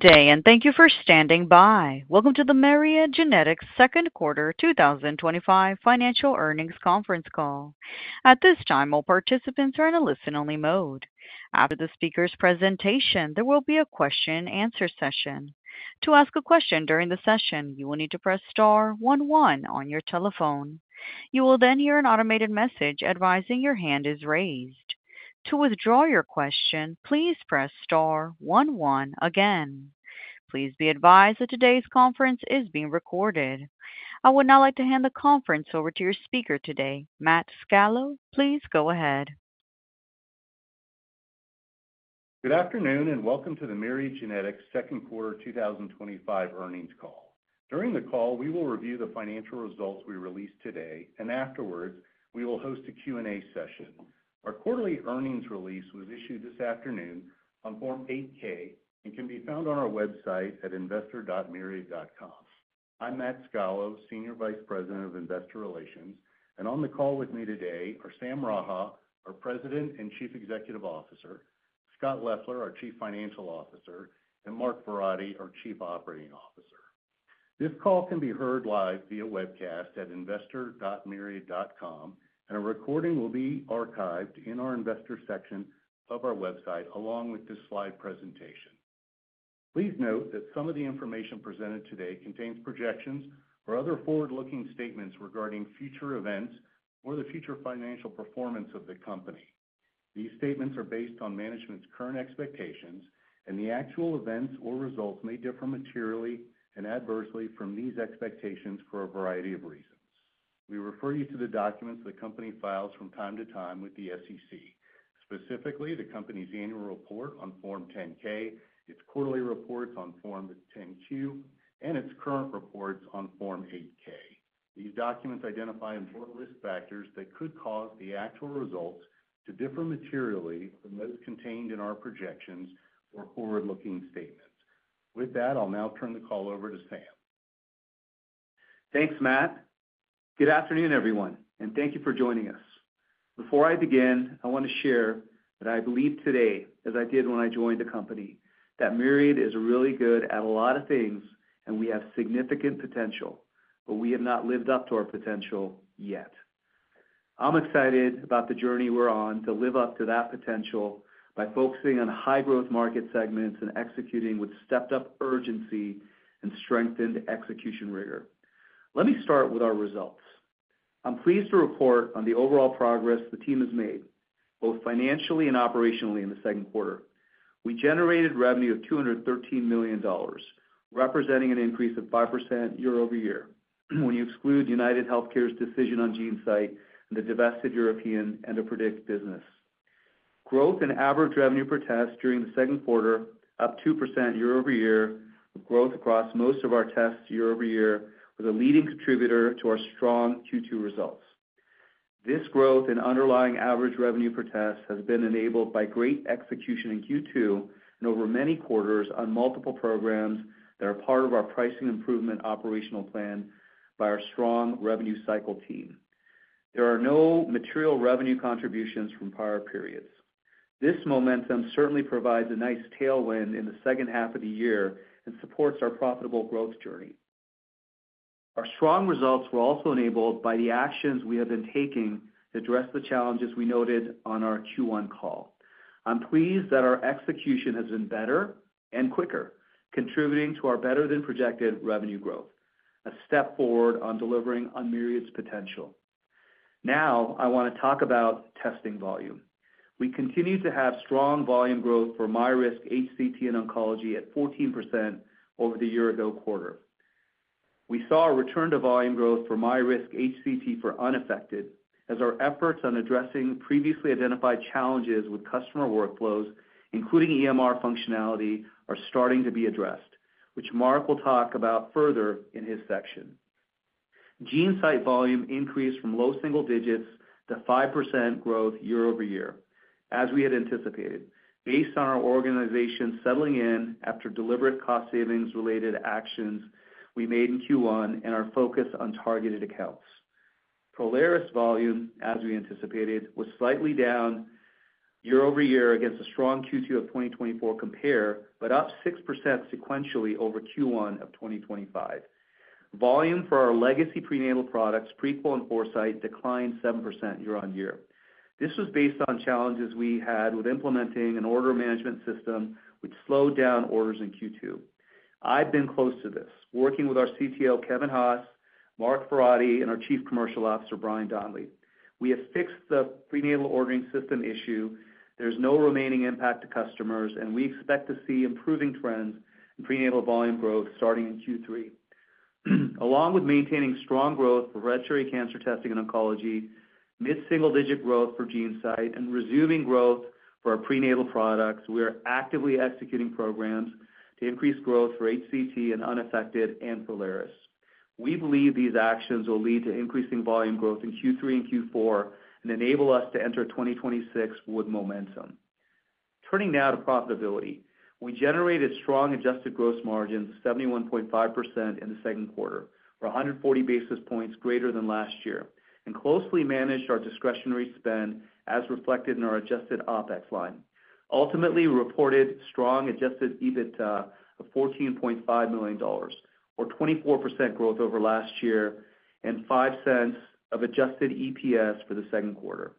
Today, and thank you for standing by. Welcome to the Myriad Genetics second quarter 2025 financial earnings conference call. At this time, all participants are in a listen-only mode. After the speaker's presentation, there will be a question-and-answer session. To ask a question during the session, you will need to press star one one on your telephone. You will then hear an automated message advising your hand is raised. To withdraw your question, please press star one one again. Please be advised that today's conference is being recorded. I would now like to hand the conference over to your speaker today, Matt Scalo. Please go ahead. Good afternoon and welcome to the Myriad Genetics second quarter 2025 earnings call. During the call, we will review the financial results we released today, and afterwards, we will host a Q&A session. Our quarterly earnings release was issued this afternoon on Form 8-K and can be found on our website at investor.myriad.com. I'm Matt Scalo, Senior Vice President of Investor Relations, and on the call with me today are Sam Raha, our President and Chief Executive Officer, Scott Leffler, our Chief Financial Officer, and Mark Verratti, our Chief Operating Officer. This call can be heard live via webcast at investor.myriad.com, and a recording will be archived in our Investor section of our website along with this slide presentation. Please note that some of the information presented today contains projections or other forward-looking statements regarding future events or the future financial performance of the company. These statements are based on management's current expectations, and the actual events or results may differ materially and adversely from these expectations for a variety of reasons. We refer you to the documents the company files from time to time with the SEC, specifically the company's annual report on Form 10-K, its quarterly reports on Form 10-Q, and its current reports on Form 8-K. These documents identify important risk factors that could cause the actual results to differ materially from those contained in our projections or forward-looking statements. With that, I'll now turn the call over to Sam. Thanks, Matt. Good afternoon, everyone, and thank you for joining us. Before I begin, I want to share that I believe today, as I did when I joined the company, that Myriad Genetics is really good at a lot of things, and we have significant potential, but we have not lived up to our potential yet. I'm excited about the journey we're on to live up to that potential by focusing on high-growth market segments and executing with stepped-up urgency and strengthened execution rigor. Let me start with our results. I'm pleased to report on the overall progress the team has made, both financially and operationally in the second quarter. We generated revenue of $213 million, representing an increase of 5% year-over-year when you exclude UnitedHealthcare's decision on GeneSight and the divested European EndoPredict business. Growth in average revenue per test during the second quarter was up 2% year-over-year. Growth across most of our tests year-over-year was a leading contributor to our strong Q2 results. This growth in underlying average revenue per test has been enabled by great execution in Q2 and over many quarters on multiple programs that are part of our pricing improvement operational plan by our strong revenue cycle team. There are no material revenue contributions from prior periods. This momentum certainly provides a nice tailwind in the second half of the year and supports our profitable growth journey. Our strong results were also enabled by the actions we have been taking to address the challenges we noted on our Q1 call. I'm pleased that our execution has been better and quicker, contributing to our better-than-projected revenue growth, a step forward on delivering on Myriad Genetics' potential. Now, I want to talk about testing volume. We continue to have strong volume growth for myRisk HCT in oncology at 14% over the year-ago quarter. We saw a return to volume growth for myRisk HCT for unaffected, as our efforts on addressing previously identified challenges with customer workflows, including EMR functionality, are starting to be addressed, which Mark will talk about further in his section. GeneSight volume increased from low single digits to 5% growth year-over-year, as we had anticipated, based on our organization settling in after deliberate cost-savings-related actions we made in Q1 and our focus on targeted accounts. Prolaris volume, as we anticipated, was slightly down year-over-year against a strong Q2 2024 compare, but up 6% sequentially over Q1 2025. Volume for our legacy prenatal products, Prequel and Foresight, declined 7% year on year. This was based on challenges we had with implementing an order management system, which slowed down orders in Q2. I've been close to this, working with our CTO, Kevin Haas, Mark Verratti, and our Chief Commercial Officer, Bryan Donnelly. We have fixed the prenatal ordering system issue. There's no remaining impact to customers, and we expect to see improving trends in prenatal volume growth starting in Q3. Along with maintaining strong growth for hereditary cancer testing in oncology, mid-single-digit growth for GeneSight, and resuming growth for our prenatal products, we are actively executing programs to increase growth for HCT and unaffected and Prolaris. We believe these actions will lead to increasing volume growth in Q3 and Q4 and enable us to enter 2026 with momentum. Turning now to profitability, we generated strong adjusted gross margins of 71.5% in the second quarter, or 140 basis points greater than last year, and closely managed our discretionary spend as reflected in our adjusted OpEx line. Ultimately, we reported strong adjusted EBITDA of $14.5 million, or 24% growth over last year, and $0.05 of adjusted EPS for the second quarter.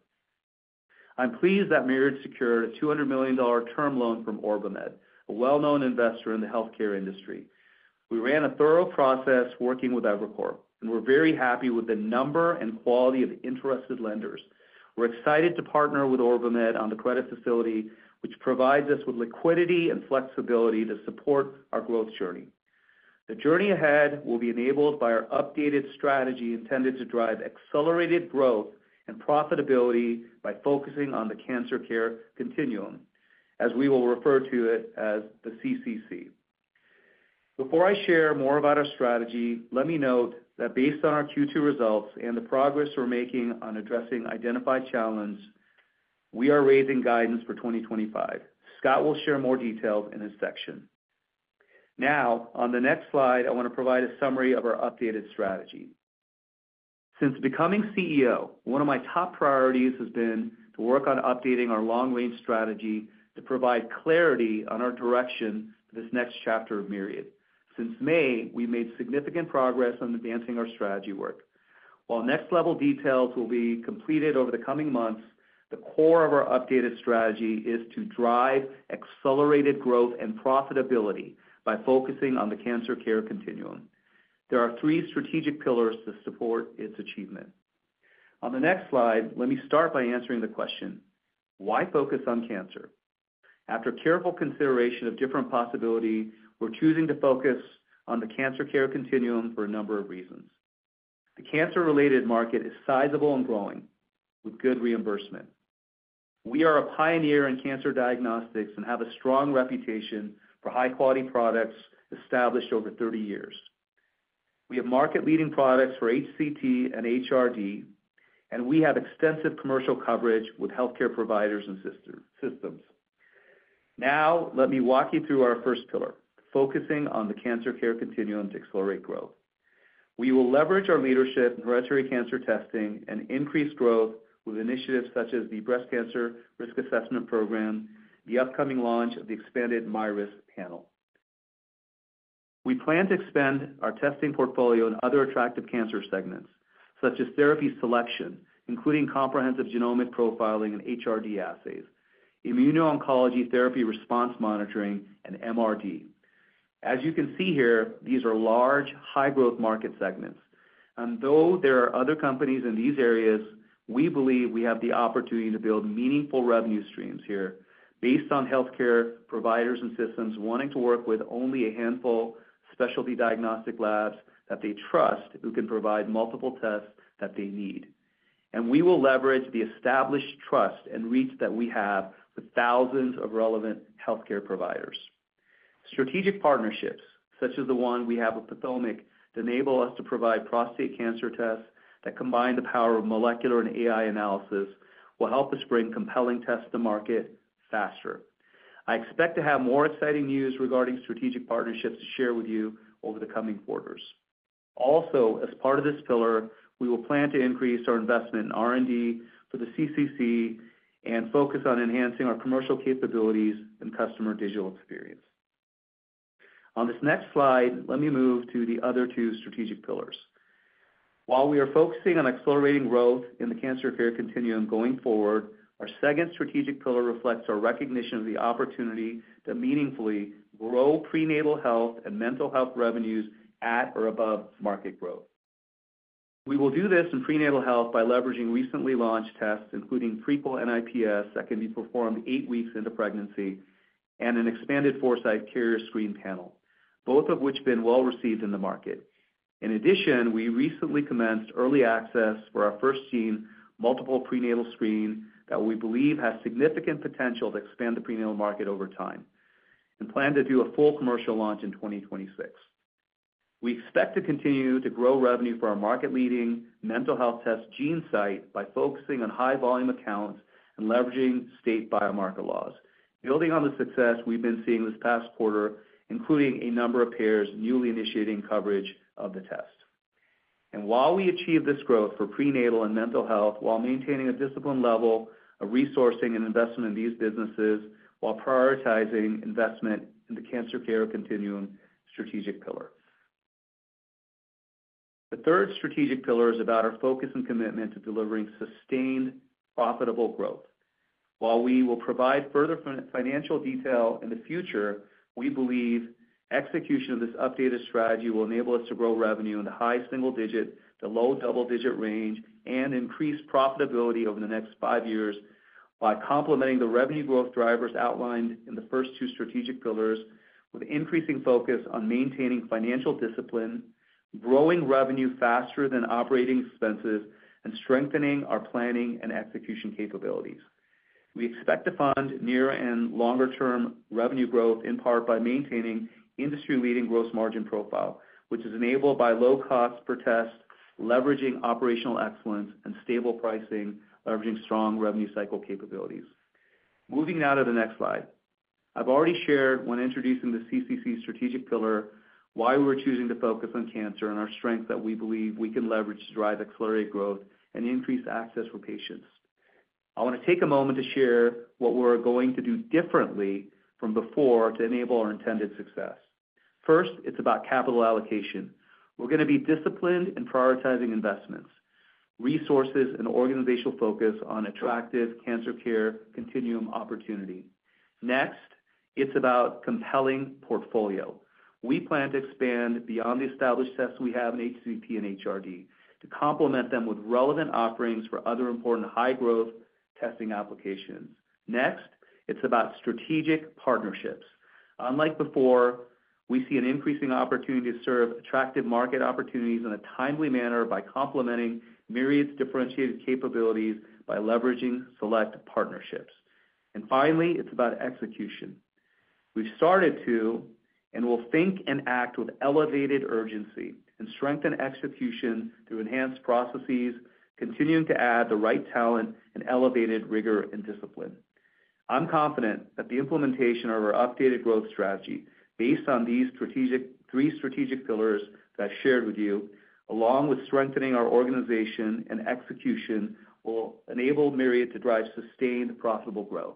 I'm pleased that Myriad Genetics secured a $200 million term loan from OrbiMed, a well-known investor in the healthcare industry. We ran a thorough process working with Evercore, and we're very happy with the number and quality of the interested lenders. We're excited to partner with OrbiMed on the credit facility, which provides us with liquidity and flexibility to support our growth journey. The journey ahead will be enabled by our updated strategy intended to drive accelerated growth and profitability by focusing on the cancer care continuum, as we will refer to it as the CCC. Before I share more about our strategy, let me note that based on our Q2 results and the progress we're making on addressing identified challenges, we are raising guidance for 2025. Scott will share more details in his section. Now, on the next slide, I want to provide a summary of our updated strategy. Since becoming CEO, one of my top priorities has been to work on updating our long-range strategy to provide clarity on our direction for this next chapter of Myriad. Since May, we made significant progress on advancing our strategy work. While next-level details will be completed over the coming months, the core of our updated strategy is to drive accelerated growth and profitability by focusing on the cancer care continuum. There are three strategic pillars to support its achievement. On the next slide, let me start by answering the question, why focus on cancer? After careful consideration of different possibilities, we're choosing to focus on the cancer care continuum for a number of reasons. The cancer-related market is sizable and growing with good reimbursement. We are a pioneer in cancer diagnostics and have a strong reputation for high-quality products established over 30 years. We have market-leading products for HCT and HRD, and we have extensive commercial coverage with healthcare providers and systems. Now, let me walk you through our first pillar, focusing on the cancer care continuum to accelerate growth. We will leverage our leadership in hereditary cancer testing and increase growth with initiatives such as the Breast Cancer Risk Assessment Program, the upcoming launch of the expanded myRisk panel. We plan to expand our testing portfolio in other attractive cancer segments, such as therapy selection, including comprehensive genomic profiling and HRD assays, immuno-oncology therapy response monitoring, and MRD. These are large, high-growth market segments. Though there are other companies in these areas, we believe we have the opportunity to build meaningful revenue streams here based on healthcare providers and systems wanting to work with only a handful of specialty diagnostic labs that they trust who can provide multiple tests that they need. We will leverage the established trust and reach that we have with thousands of relevant healthcare providers. Strategic partnerships, such as the one we have with Potomac, to enable us to provide prostate cancer tests that combine the power of molecular and AI analysis, will help us bring compelling tests to market faster. I expect to have more exciting news regarding strategic partnerships to share with you over the coming quarters. Also, as part of this pillar, we will plan to increase our investment in R&D for the CCC and focus on enhancing our commercial capabilities and customer digital experience. On this next slide, let me move to the other two strategic pillars. While we are focusing on accelerating growth in the cancer care continuum going forward, our second strategic pillar reflects our recognition of the opportunity to meaningfully grow prenatal health and mental health revenues at or above market growth. We will do this in prenatal health by leveraging recently launched tests, including Prequel NIPS that can be performed eight weeks into pregnancy, and an expanded Foresight carrier screen panel, both of which have been well received in the market. In addition, we recently commenced early access for our FirstGene multiple prenatal screen that we believe has significant potential to expand the prenatal market over time and plan to do a full commercial launch in 2026. We expect to continue to grow revenue for our market-leading mental health test GeneSight by focusing on high-volume accounts and leveraging state biomarker laws, building on the success we've been seeing this past quarter, including a number of payers newly initiating coverage of the test. While we achieve this growth for prenatal and mental health, we are maintaining a disciplined level of resourcing and investment in these businesses, while prioritizing investment in the cancer care continuum strategic pillar. The third strategic pillar is about our focus and commitment to delivering sustained, profitable growth. While we will provide further financial detail in the future, we believe execution of this updated strategy will enable us to grow revenue in the high single digit to low double digit range, and increase profitability over the next five years by complementing the revenue growth drivers outlined in the first two strategic pillars with increasing focus on maintaining financial discipline, growing revenue faster than operating expenses, and strengthening our planning and execution capabilities. We expect to fund near and longer-term revenue growth in part by maintaining an industry-leading gross margin profile, which is enabled by low costs per test, leveraging operational excellence and stable pricing, and leveraging strong revenue cycle capabilities. Moving now to the next slide, I've already shared when introducing the CCC strategic pillar why we're choosing to focus on cancer and our strengths that we believe we can leverage to drive accelerated growth and increase access for patients. I want to take a moment to share what we're going to do differently from before to enable our intended success. First, it's about capital allocation. We're going to be disciplined in prioritizing investments, resources, and organizational focus on attractive cancer care continuum opportunity. Next, it's about compelling portfolio. We plan to expand beyond the established tests we have in HCP and HRD to complement them with relevant offerings for other important high-growth testing applications. Next, it's about strategic partnerships. Unlike before, we see an increasing opportunity to serve attractive market opportunities in a timely manner by complementing Myriad's differentiated capabilities by leveraging select partnerships. Finally, it's about execution. We've started to and will think and act with elevated urgency and strengthen execution through enhanced processes, continuing to add the right talent and elevated rigor and discipline. I'm confident that the implementation of our updated growth strategy based on these three strategic pillars that I've shared with you, along with strengthening our organization and execution, will enable Myriad to drive sustained profitable growth.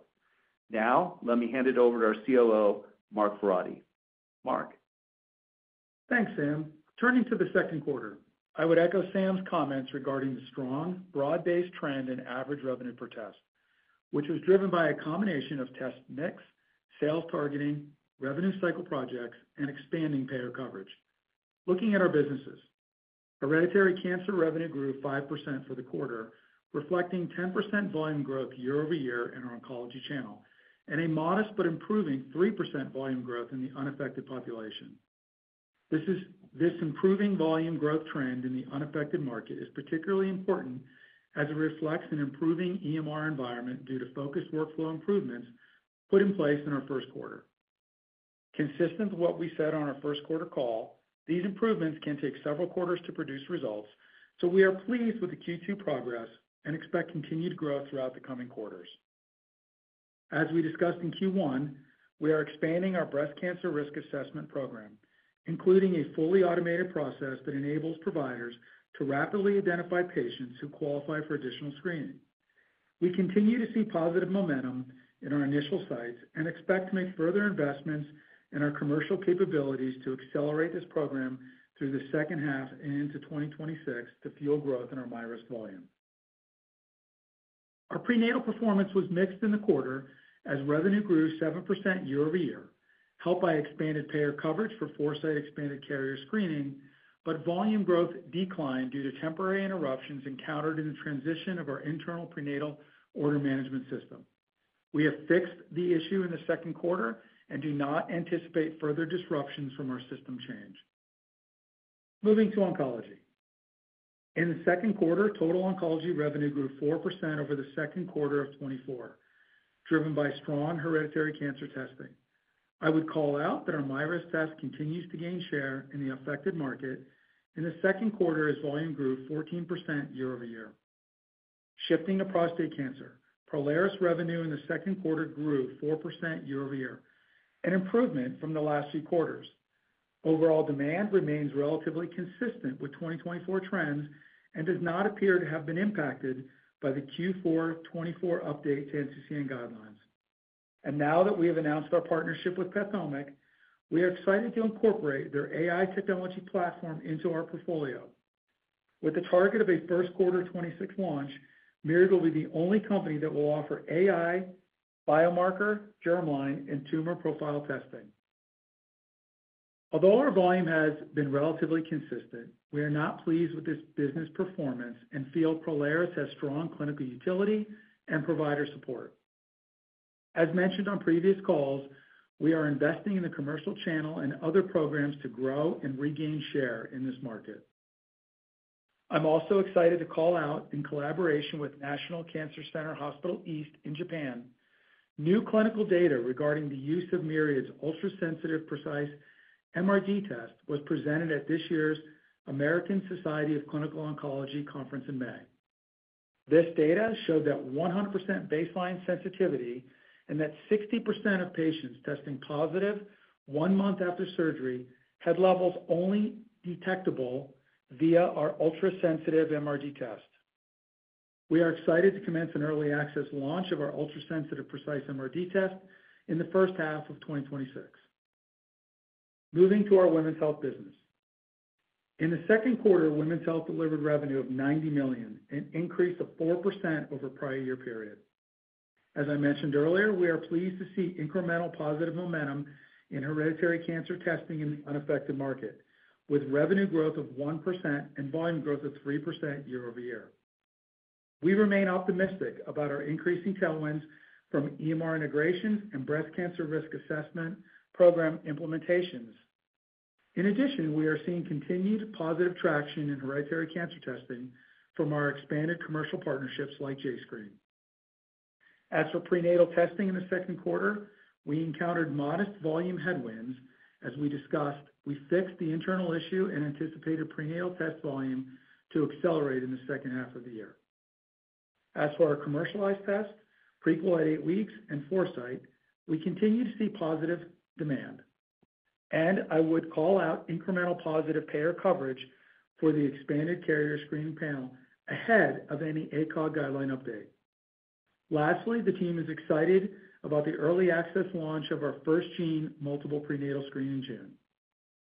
Now, let me hand it over to our COO, Mark Verratti. Mark. Thanks, Sam. Turning to the second quarter, I would echo Sam's comments regarding the strong, broad-based trend in average revenue per test, which was driven by a combination of test mix, sales targeting, revenue cycle projects, and expanding payer coverage. Looking at our businesses, hereditary cancer revenue grew 5% for the quarter, reflecting 10% volume growth year-over-year in our oncology channel and a modest but improving 3% volume growth in the unaffected population. This improving volume growth trend in the unaffected market is particularly important as it reflects an improving EMR environment due to focused workflow improvements put in place in our first quarter. Consistent with what we said on our first quarter call, these improvements can take several quarters to produce results, so we are pleased with the Q2 progress and expect continued growth throughout the coming quarters. As we discussed in Q1, we are expanding our breast cancer risk assessment program, including a fully automated process that enables providers to rapidly identify patients who qualify for additional screening. We continue to see positive momentum in our initial sites and expect to make further investments in our commercial capabilities to accelerate this program through the second half and into 2026 to fuel growth in our myRisk volume. Our prenatal performance was mixed in the quarter as revenue grew 7% year-over-year, helped by expanded payer coverage for Foresight expanded carrier screening, but volume growth declined due to temporary interruptions encountered in the transition of our internal prenatal order management system. We have fixed the issue in the second quarter and do not anticipate further disruptions from our system change. Moving to oncology. In the second quarter, total oncology revenue grew 4% over the second quarter of 2024, driven by strong hereditary cancer testing. I would call out that our myRisk test continues to gain share in the affected market. In the second quarter, volume grew 14% year-over-year. Shifting to prostate cancer, Prolaris revenue in the second quarter grew 4% year-over-year, an improvement from the last few quarters. Overall demand remains relatively consistent with 2024 trends and does not appear to have been impacted by the Q4 2024 update to NCCN guidelines. Now that we have announced our partnership with Potomac, we are excited to incorporate their AI technology platform into our portfolio. With the target of a first quarter 2026 launch, Myriad Genetics will be the only company that will offer AI biomarker germline and tumor profile testing. Although our volume has been relatively consistent, we are not pleased with this business performance and feel Prolaris has strong clinical utility and provider support. As mentioned on previous calls, we are investing in the commercial channel and other programs to grow and regain share in this market. I'm also excited to call out in collaboration with National Cancer Center Hospital East in Japan, new clinical data regarding the use of Myriad Genetics' ultrasensitive Precise MRD test was presented at this year's American Society of Clinical Oncology conference in May. This data showed that 100% baseline sensitivity and that 60% of patients testing positive one month after surgery had levels only detectable via our ultrasensitive MRD test. We are excited to commence an early access launch of our ultrasensitive Precise MRD test in the first half of 2026. Moving to our Women's Health business. In the second quarter, Women's Health delivered revenue of $90 million, an increase of 4% over a prior year period. As I mentioned earlier, we are pleased to see incremental positive momentum in hereditary cancer testing in the unaffected market, with revenue growth of 1% and volume growth of 3% year-over-year. We remain optimistic about our increasing tailwinds from EMR integrations and breast cancer risk assessment program implementations. In addition, we are seeing continued positive traction in hereditary cancer testing from our expanded commercial partnerships like JScreen. As for prenatal testing in the second quarter, we encountered modest volume headwinds. As we discussed, we fixed the internal issue and anticipated prenatal test volume to accelerate in the second half of the year. As for our commercialized test, Prequel at eight weeks, and Foresight, we continue to see positive demand. I would call out incremental positive payer coverage for the expanded carrier screening panel ahead of any ACOG guideline update. Lastly, the team is excited about the early access launch of our FirstGene multiple prenatal screen in June.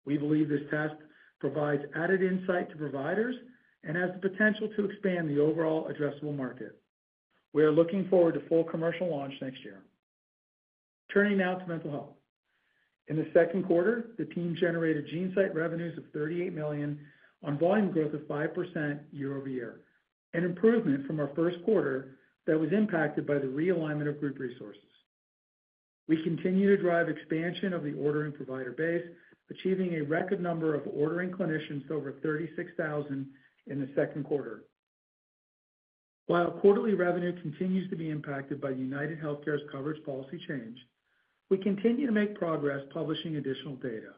We believe this test provides added insight to providers and has the potential to expand the overall addressable market. We are looking forward to full commercial launch next year. Turning now to mental health. In the second quarter, the team generated GeneSight revenues of $38 million on volume growth of 5% year-over-year, an improvement from our first quarter that was impacted by the realignment of group resources. We continue to drive expansion of the ordering provider base, achieving a record number of ordering clinicians to over 36,000 in the second quarter. While quarterly revenue continues to be impacted by UnitedHealthcare's coverage policy change, we continue to make progress publishing additional data,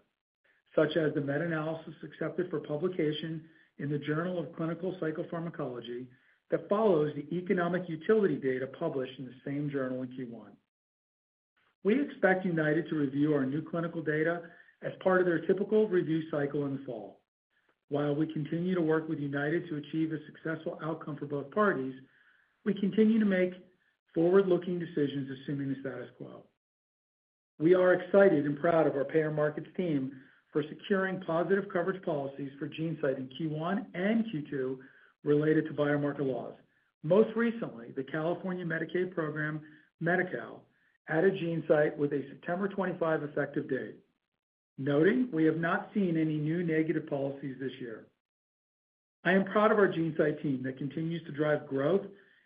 such as the meta-analysis accepted for publication in the Journal of Clinical Psychopharmacology that follows the economic utility data published in the same journal in Q1. We expect United to review our new clinical data as part of their typical review cycle in the fall. While we continue to work with United to achieve a successful outcome for both parties, we continue to make forward-looking decisions assuming the status quo. We are excited and proud of our payer markets team for securing positive coverage policies for GeneSight in Q1 and Q2 related to biomarker laws. Most recently, the California Medicaid program, Medi-Cal, added GeneSight with a September 25 effective date, noting we have not seen any new negative policies this year. I am proud of our GeneSight team that continues to drive growth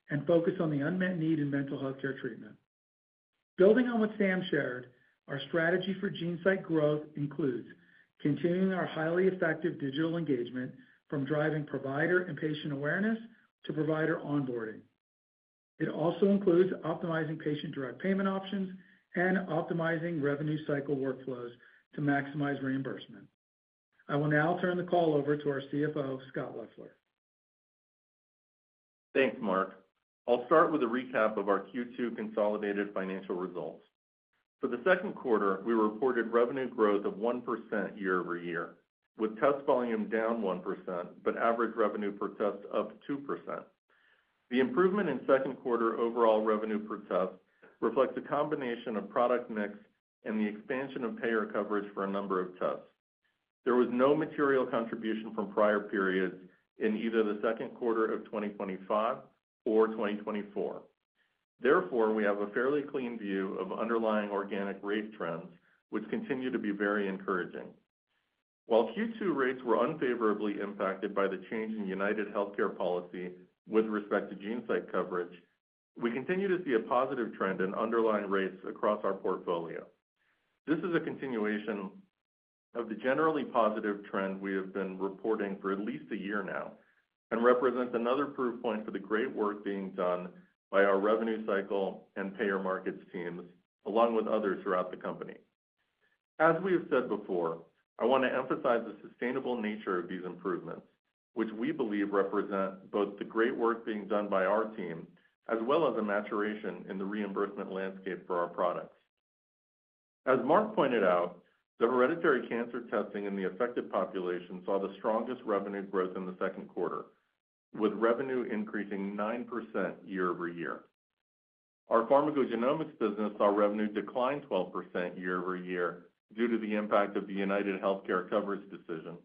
and focus on the unmet need in mental healthcare treatment. Building on what Sam shared, our strategy for GeneSight growth includes continuing our highly effective digital engagement from driving provider and patient awareness to provider onboarding. It also includes optimizing patient direct payment options and optimizing revenue cycle workflows to maximize reimbursement. I will now turn the call over to our CFO, Scott Leffler. Thanks, Mark. I'll start with a recap of our Q2 consolidated financial results. For the second quarter, we reported revenue growth of 1% year-over-year, with test volume down 1%, but average revenue per test up 2%. The improvement in second quarter overall revenue per test reflects a combination of product mix and the expansion of payer coverage for a number of tests. There was no material contribution from prior periods in either the second quarter of 2025 or 2024. Therefore, we have a fairly clean view of underlying organic rate trends, which continue to be very encouraging. While Q2 rates were unfavorably impacted by the change in UnitedHealthcare policy with respect to GeneSight coverage, we continue to see a positive trend in underlying rates across our portfolio. This is a continuation of the generally positive trend we have been reporting for at least a year now and represents another proof point for the great work being done by our revenue cycle and payer markets teams, along with others throughout the company. As we have said before, I want to emphasize the sustainable nature of these improvements, which we believe represent both the great work being done by our team as well as a maturation in the reimbursement landscape for our products. As Mark pointed out, the hereditary cancer testing in the affected population saw the strongest revenue growth in the second quarter, with revenue increasing 9% year-over-year. Our pharmacogenomics business saw revenue decline 12% year-over-year due to the impact of the UnitedHealthcare coverage decision,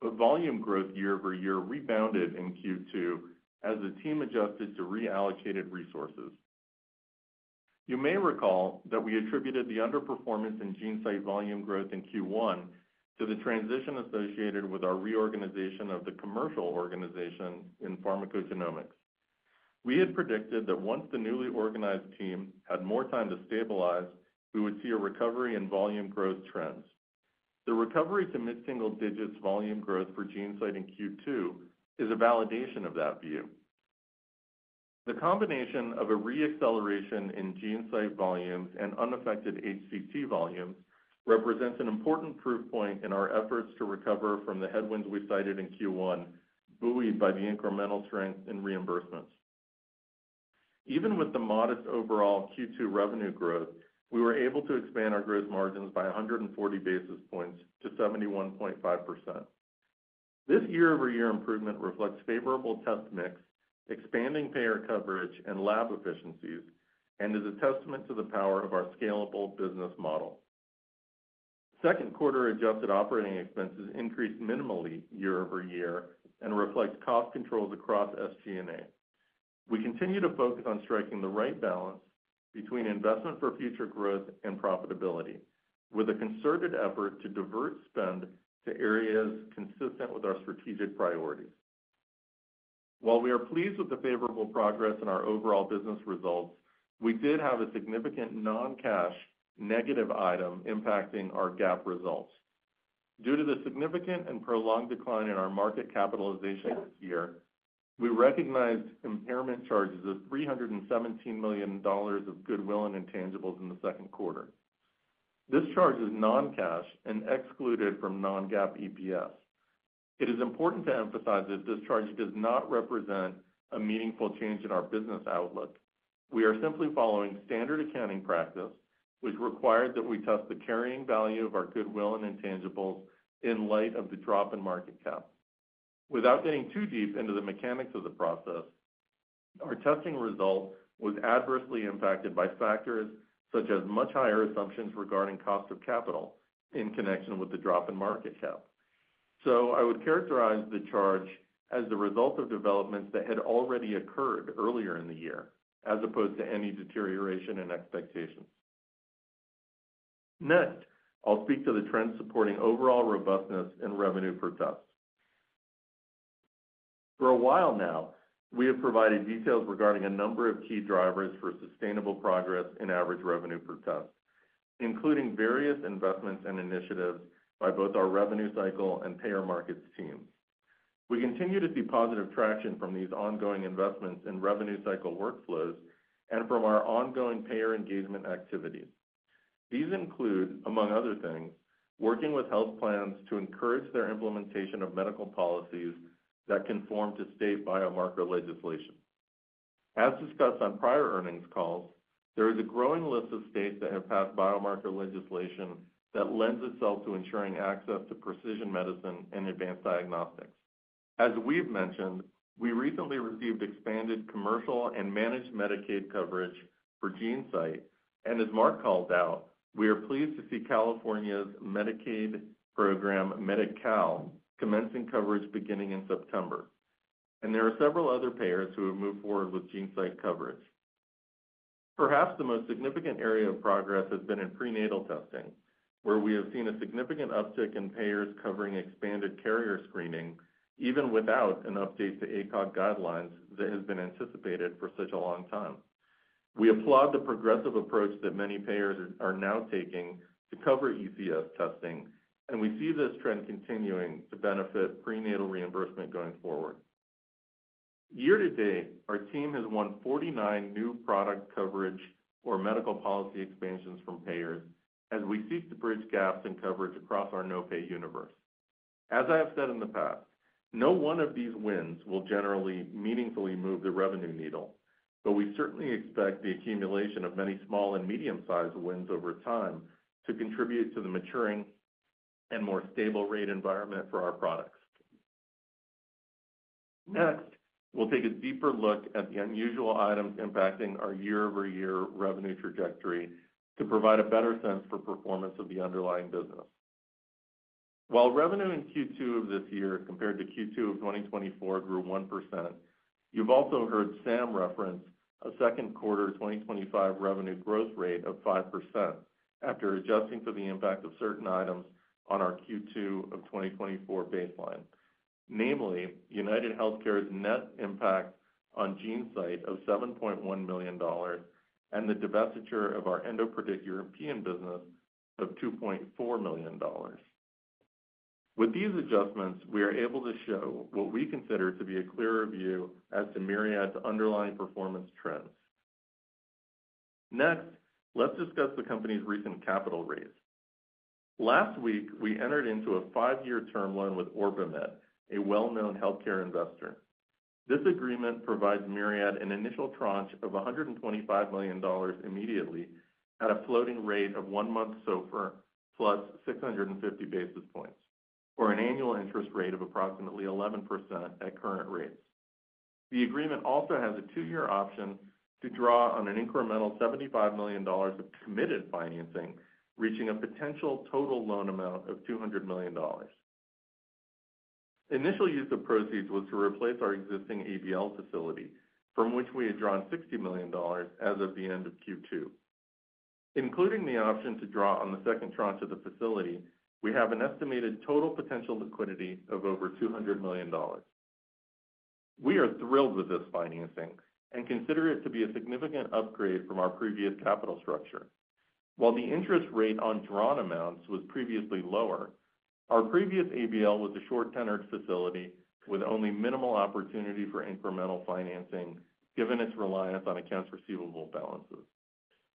but volume growth year-over-year rebounded in Q2 as the team adjusted to reallocated resources. You may recall that we attributed the underperformance in GeneSight volume growth in Q1 to the transition associated with our reorganization of the commercial organization in pharmacogenomics. We had predicted that once the newly organized team had more time to stabilize, we would see a recovery in volume growth trends. The recovery to mid-single digits volume growth for GeneSight in Q2 is a validation of that view. The combination of a reacceleration in GeneSight volumes and unaffected HCT volumes represents an important proof point in our efforts to recover from the headwinds we cited in Q1, buoyed by the incremental strength in reimbursements. Even with the modest overall Q2 revenue growth, we were able to expand our gross margins by 140 basis points to 71.5%. This year-over-year improvement reflects favorable test mix, expanding payer coverage, and lab efficiencies, and is a testament to the power of our scalable business model. Second quarter adjusted operating expenses increased minimally year-over-year and reflect cost controls across SG&A. We continue to focus on striking the right balance between investment for future growth and profitability, with a concerted effort to divert spend to areas consistent with our strategic priorities. While we are pleased with the favorable progress in our overall business results, we did have a significant non-cash negative item impacting our GAAP results. Due to the significant and prolonged decline in our market capitalization this year, we recognized impairment charges of $317 million of goodwill and intangibles in the second quarter. This charge is non-cash and excluded from non-GAAP EPS. It is important to emphasize that this charge does not represent a meaningful change in our business outlook. We are simply following standard accounting practice, which required that we test the carrying value of our goodwill and intangibles in light of the drop in market cap. Without getting too deep into the mechanics of the process, our testing result was adversely impacted by factors such as much higher assumptions regarding cost of capital in connection with the drop in market cap. I would characterize the charge as the result of developments that had already occurred earlier in the year, as opposed to any deterioration in expectations. Next, I'll speak to the trends supporting overall robustness in revenue per test. For a while now, we have provided details regarding a number of key drivers for sustainable progress in average revenue per test, including various investments and initiatives by both our revenue cycle and payer markets teams. We continue to see positive traction from these ongoing investments in revenue cycle workflows and from our ongoing payer engagement activities. These include, among other things, working with health plans to encourage their implementation of medical policies that conform to state biomarker legislation. As discussed on prior earnings calls, there is a growing list of states that have passed biomarker legislation that lends itself to ensuring access to precision medicine and advanced diagnostics. As we've mentioned, we recently received expanded commercial and managed Medicaid coverage for GeneSight, and as Mark called out, we are pleased to see California's Medicaid program, Medi-Cal, commencing coverage beginning in September. There are several other payers who have moved forward with GeneSight coverage. Perhaps the most significant area of progress has been in prenatal testing, where we have seen a significant uptick in payers covering expanded carrier screening, even without an update to ACOG guidelines that has been anticipated for such a long time. We applaud the progressive approach that many payers are now taking to cover ECS testing, and we see this trend continuing to benefit prenatal reimbursement going forward. Year to date, our team has won 49 new product coverage or medical policy expansions from payers as we seek to bridge gaps in coverage across our no-pay universe. As I have said in the past, no one of these wins will generally meaningfully move the revenue needle, but we certainly expect the accumulation of many small and medium-sized wins over time to contribute to the maturing and more stable rate environment for our products. Next, we'll take a deeper look at the unusual items impacting our year-over-year revenue trajectory to provide a better sense for performance of the underlying business. While revenue in Q2 of this year, compared to Q2 of 2024, grew 1%, you've also heard Sam reference a second quarter 2025 revenue growth rate of 5% after adjusting for the impact of certain items on our Q2 of 2024 baseline, namely UnitedHealthcare's net impact on GeneSight of $7.1 million and the divestiture of our EndoPredict European business of $2.4 million. With these adjustments, we are able to show what we consider to be a clearer view as to Myriad Genetics' underlying performance trends. Next, let's discuss the company's recent capital raise. Last week, we entered into a five-year term loan with OrbiMed, a well-known healthcare investor. This agreement provides Myriad Genetics an initial tranche of $125 million immediately at a floating rate of one month SOFR plus 650 basis points, or an annual interest rate of approximately 11% at current rates. The agreement also has a two-year option to draw on an incremental $75 million of committed financing, reaching a potential total loan amount of $200 million. Initial use of proceeds was to replace our existing ABL facility, from which we had drawn $60 million as of the end of Q2. Including the option to draw on the second tranche of the facility, we have an estimated total potential liquidity of over $200 million. We are thrilled with this financing and consider it to be a significant upgrade from our previous capital structure. While the interest rate on drawn amounts was previously lower, our previous ABL was a short-tenored facility with only minimal opportunity for incremental financing, given its reliance on accounts receivable balances.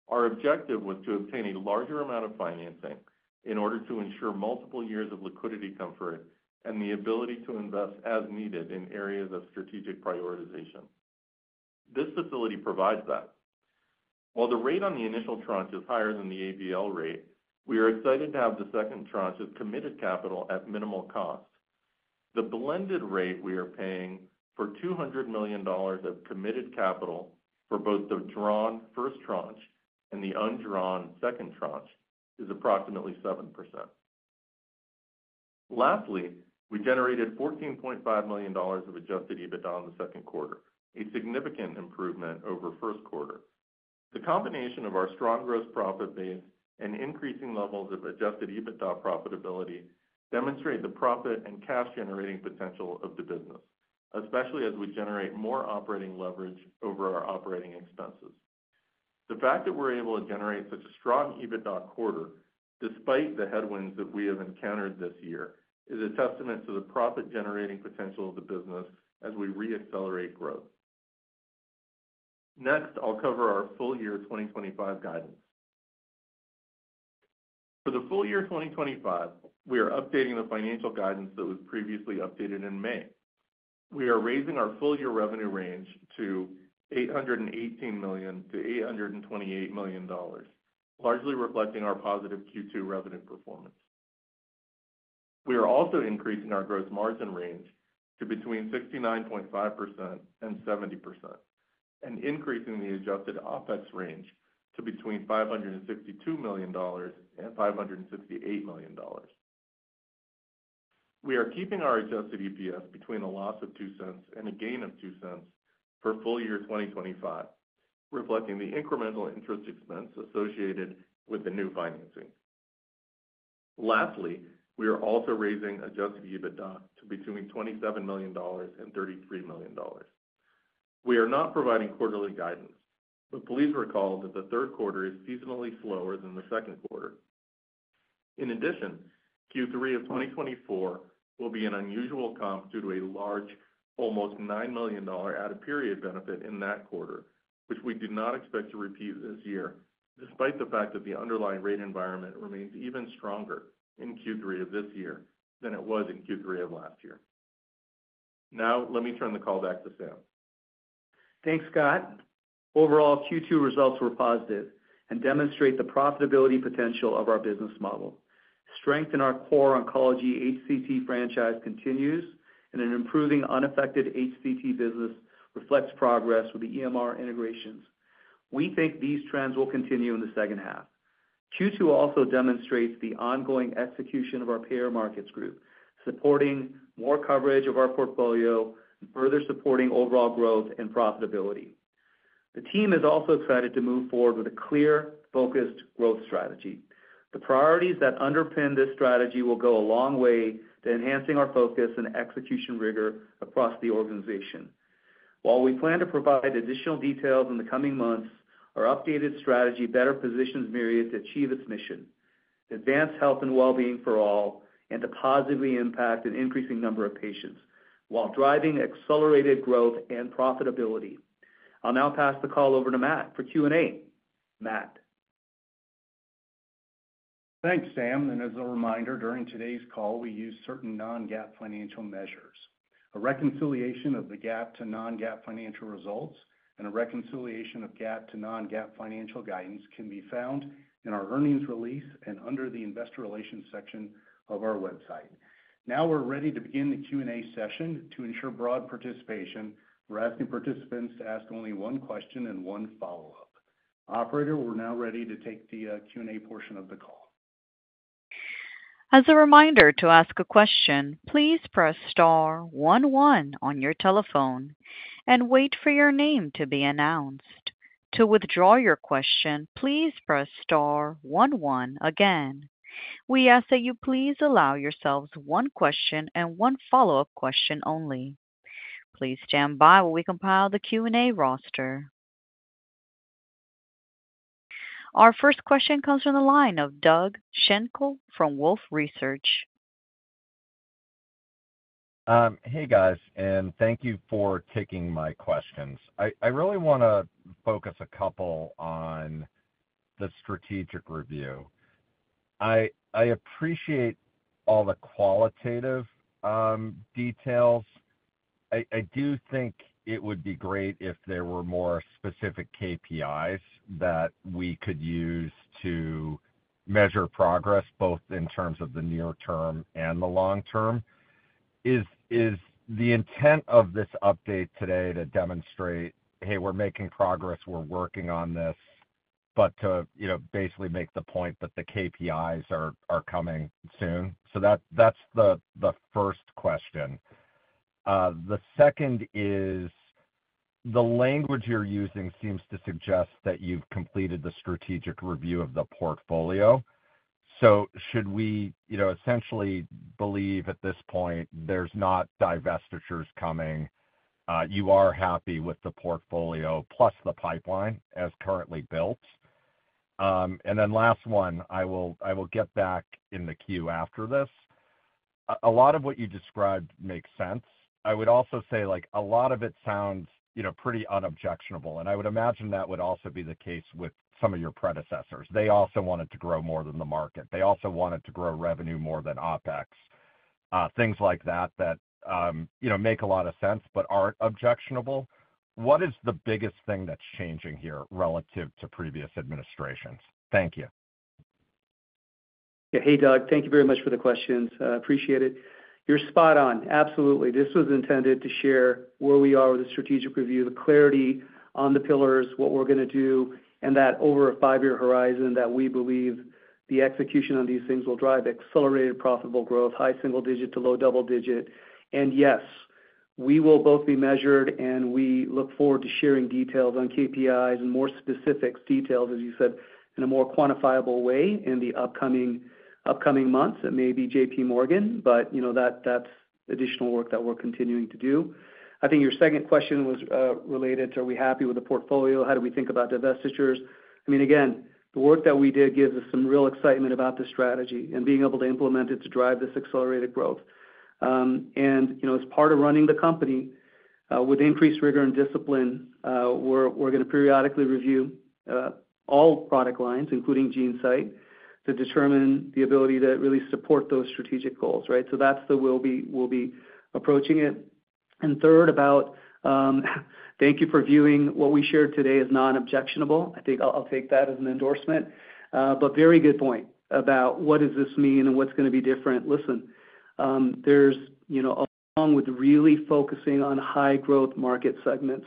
Our objective was to obtain a larger amount of financing in order to ensure multiple years of liquidity comfort and the ability to invest as needed in areas of strategic prioritization. This facility provides that. While the rate on the initial tranche is higher than the ABL rate, we are excited to have the second tranche as committed capital at minimal cost. The blended rate we are paying for $200 million of committed capital for both the drawn first tranche and the undrawn second tranche is approximately 7%. Lastly, we generated $14.5 million of adjusted EBITDA in the second quarter, a significant improvement over first quarter. The combination of our strong gross profit base and increasing levels of adjusted EBITDA profitability demonstrates the profit and cash-generating potential of the business, especially as we generate more operating leverage over our operating expenses. The fact that we're able to generate such a strong EBITDA quarter, despite the headwinds that we have encountered this year, is a testament to the profit-generating potential of the business as we reaccelerate growth. Next, I'll cover our full year 2025 guidance. For the full year 2025, we are updating the financial guidance that was previously updated in May. We are raising our full-year revenue range to $818 million-$828 million, largely reflecting our positive Q2 revenue performance. We are also increasing our gross margin range to between 69.5% and 70% and increasing the adjusted OPEX range to between $562 million and $568 million. We are keeping our adjusted EPS between a loss of $0.02 and a gain of $0.02 for full year 2025, reflecting the incremental interest expense associated with the new financing. Lastly, we are also raising adjusted EBITDA to between $27 million and $33 million. We are not providing quarterly guidance, but please recall that the third quarter is seasonally slower than the second quarter. In addition, Q3 of 2024 will be an unusual comp due to a large, almost $9 million added period benefit in that quarter, which we do not expect to repeat this year, despite the fact that the underlying rate environment remains even stronger in Q3 of this year than it was in Q3 of last year. Now, let me turn the call back to Sam. Thanks, Scott. Overall, Q2 results were positive and demonstrate the profitability potential of our business model. Strength in our core oncology HCT franchise continues, and an improving unaffected HCT business reflects progress with the EMR integrations. We think these trends will continue in the second half. Q2 also demonstrates the ongoing execution of our payer markets group, supporting more coverage of our portfolio and further supporting overall growth and profitability. The team is also excited to move forward with a clear, focused growth strategy. The priorities that underpin this strategy will go a long way to enhancing our focus and execution rigor across the organization. While we plan to provide additional details in the coming months, our updated strategy better positions Myriad Genetics to achieve its mission: to advance health and well-being for all and to positively impact an increasing number of patients while driving accelerated growth and profitability. I'll now pass the call over to Matt for Q&A. Matt. Thanks, Sam. As a reminder, during today's call, we use certain non-GAAP financial measures. A reconciliation of the GAAP to non-GAAP financial results and a reconciliation of GAAP to non-GAAP financial guidance can be found in our earnings release and under the Investor Relations section of our website. Now we're ready to begin the Q&A session to ensure broad participation. We're asking participants to ask only one question and one follow-up. Operator, we're now ready to take the Q&A portion of the call. As a reminder to ask a question, please press star one one on your telephone and wait for your name to be announced. To withdraw your question, please press star one one again. We ask that you please allow yourselves one question and one follow-up question only. Please stand by while we compile the Q&A roster. Our first question comes from the line of Doug Schenkel from Wolfe Research. Hey, guys, and thank you for taking my questions. I really want to focus a couple on the strategic review. I appreciate all the qualitative details. I do think it would be great if there were more specific KPIs that we could use to measure progress, both in terms of the near term and the long term. Is the intent of this update today to demonstrate, "Hey, we're making progress, we're working on this," but to basically make the point that the KPIs are coming soon? That's the first question. The second is the language you're using seems to suggest that you've completed the strategic review of the portfolio. Should we essentially believe at this point there's not divestitures coming? You are happy with the portfolio plus the pipeline as currently built? Last one, I will get back in the queue after this. A lot of what you described makes sense. I would also say a lot of it sounds pretty unobjectionable, and I would imagine that would also be the case with some of your predecessors. They also wanted to grow more than the market. They also wanted to grow revenue more than OpEx. Things like that that make a lot of sense but aren't objectionable. What is the biggest thing that's changing here relative to previous administrations? Thank you. Yeah. Hey, Doug. Thank you very much for the questions. I appreciate it. You're spot on. Absolutely. This was intended to share where we are with the strategic review, the clarity on the pillars, what we're going to do, and that over a five-year horizon we believe the execution on these things will drive accelerated profitable growth, high single digit to low double digit. Yes, we will both be measured, and we look forward to sharing details on KPIs and more specific details, as you said, in a more quantifiable way in the upcoming months. It may be J.P. Morgan, but you know that's additional work that we're continuing to do. I think your second question was related to, "Are we happy with the portfolio? How do we think about divestitures?" Again, the work that we did gives us some real excitement about the strategy and being able to implement it to drive this accelerated growth. You know as part of running the company, with increased rigor and discipline, we're going to periodically review all product lines, including GeneSight, to determine the ability to really support those strategic goals, right? That's the "we'll be approaching it." Third, thank you for viewing what we shared today as non-objectionable. I'll take that as an endorsement, but very good point about what does this mean and what's going to be different. Listen, along with really focusing on high-growth market segments,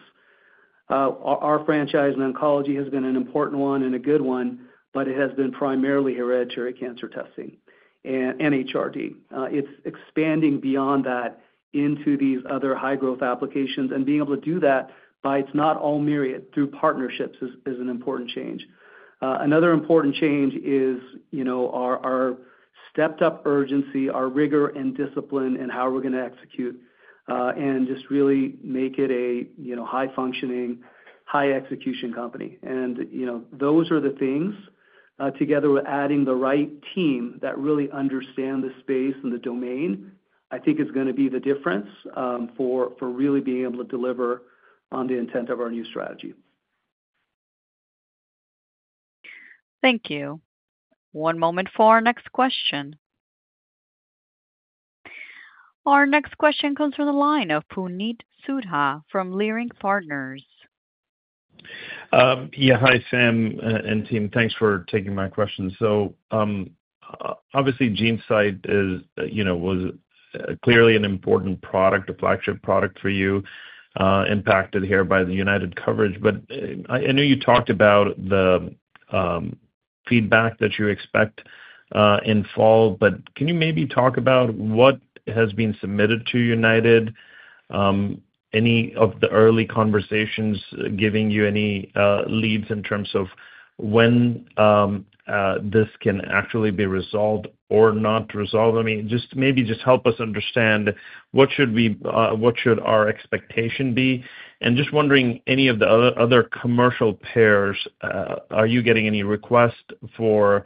our franchise in oncology has been an important one and a good one, but it has been primarily hereditary cancer testing and HRD. It's expanding beyond that into these other high-growth applications and being able to do that by it's not all Myriad through partnerships is an important change. Another important change is our stepped-up urgency, our rigor and discipline, and how we're going to execute and just really make it a high-functioning, high-execution company. Those are the things, together with adding the right team that really understand the space and the domain, I think is going to be the difference for really being able to deliver on the intent of our new strategy. Thank you. One moment for our next question. Our next question comes from the line of Puneet Souda from Leerink Partners. Hi, Sam and team. Thanks for taking my questions. GeneSight was clearly an important product, a flagship product for you, impacted here by the UnitedHealthcare coverage. I know you talked about the feedback that you expect in fall. Can you maybe talk about what has been submitted to UnitedHealthcare? Any of the early conversations giving you any leads in terms of when this can actually be resolved or not resolved? Just help us understand what should our expectation be. Just wondering, any of the other commercial payers, are you getting any requests for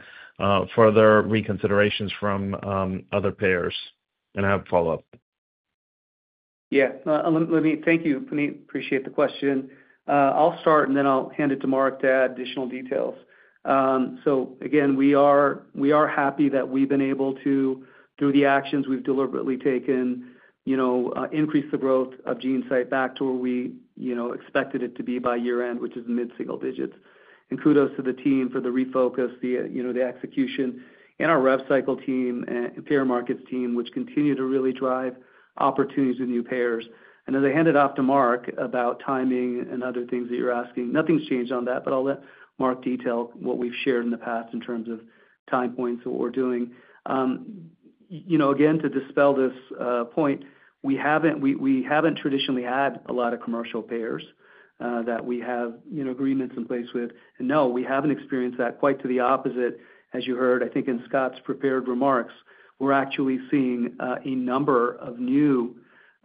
further reconsiderations from other payers? I have a follow-up. Yeah. Thank you, Puneet. Appreciate the question. I'll start, and then I'll hand it to Mark to add additional details. We are happy that we've been able to, through the actions we've deliberately taken, increase the growth of GeneSight back to where we expected it to be by year-end, which is mid-single digits. Kudos to the team for the refocus, the execution, and our rev cycle team and payer markets team, which continue to really drive opportunities with new payers. As I hand it off to Mark about timing and other things that you're asking, nothing's changed on that, but I'll let Mark detail what we've shared in the past in terms of time points and what we're doing. To dispel this point, we haven't traditionally had a lot of commercial payers that we have agreements in place with. No, we haven't experienced that. Quite to the opposite, as you heard, I think in Scott's prepared remarks, we're actually seeing a number of new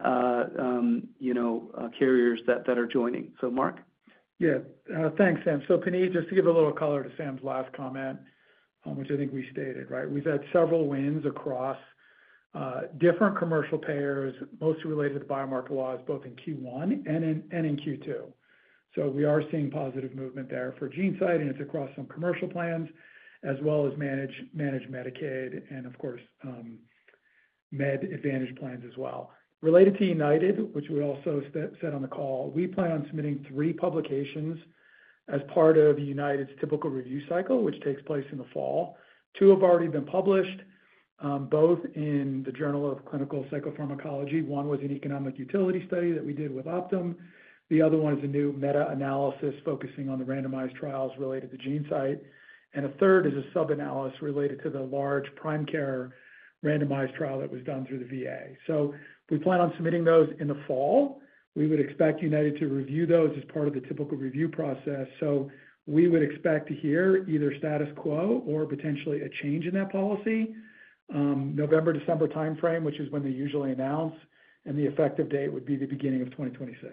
carriers that are joining. Mark? Yeah. Thanks, Sam. Puneet, just to give a little color to Sam's last comment, which I think we stated, right? We've had several wins across different commercial payers, mostly related to the biomarker laws, both in Q1 and in Q2. We are seeing positive movement there for GeneSight, and it's across some commercial plans as well as managed Medicaid and, of course, Med Advantage plans as well. Related to UnitedHealthcare, which we also said on the call, we plan on submitting three publications as part of UnitedHealthcare's typical review cycle, which takes place in the fall. Two have already been published, both in the Journal of Clinical Psychopharmacology. One was an economic utility study that we did with Optum. The other one is a new meta-analysis focusing on the randomized trials related to GeneSight. A third is a sub-analysis related to the large PrimeCare randomized trial that was done through the VA. We plan on submitting those in the fall. We would expect UnitedHealthcare to review those as part of the typical review process. We would expect to hear either status quo or potentially a change in that policy, November, December timeframe, which is when they usually announce, and the effective date would be the beginning of 2026.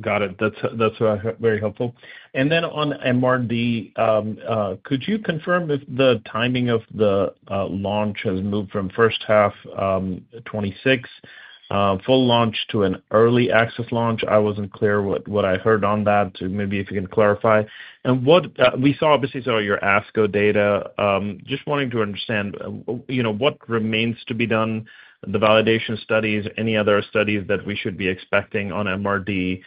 Got it. That's very helpful. On MRD, could you confirm if the timing of the launch has moved from first half 2026 full launch to an early access launch? I wasn't clear what I heard on that. If you can clarify. What we saw, obviously, is your ASCO data. Just wanting to understand what remains to be done, the validation studies, any other studies that we should be expecting on MRD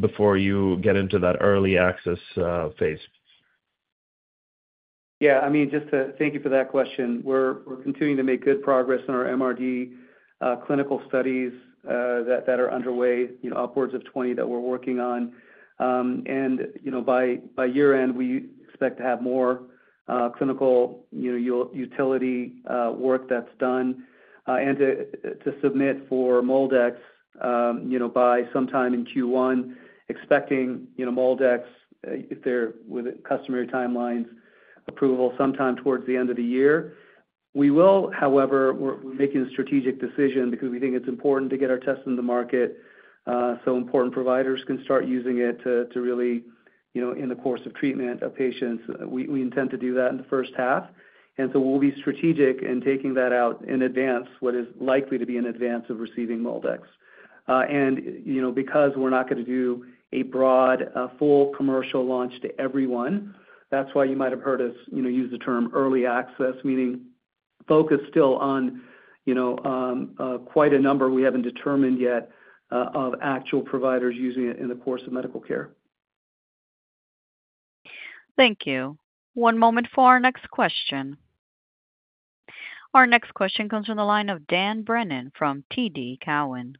before you get into that early access phase? Yeah, thank you for that question. We're continuing to make good progress on our MRD clinical studies that are underway, upwards of 20 that we're working on. By year-end, we expect to have more clinical utility work that's done and to submit for MOLDEX by sometime in Q1, expecting MOLDEX, if they're with customary timelines, approval sometime towards the end of the year. However, we're making a strategic decision because we think it's important to get our test in the market so important providers can start using it in the course of treatment of patients. We intend to do that in the first half, and we'll be strategic in taking that out in advance, what is likely to be in advance of receiving MOLDEX. Because we're not going to do a broad, full commercial launch to everyone, that's why you might have heard us use the term early access, meaning focus still on quite a number we haven't determined yet of actual providers using it in the course of medical care. Thank you. One moment for our next question. Our next question comes from the line of Dan Brennan from TD Cowen.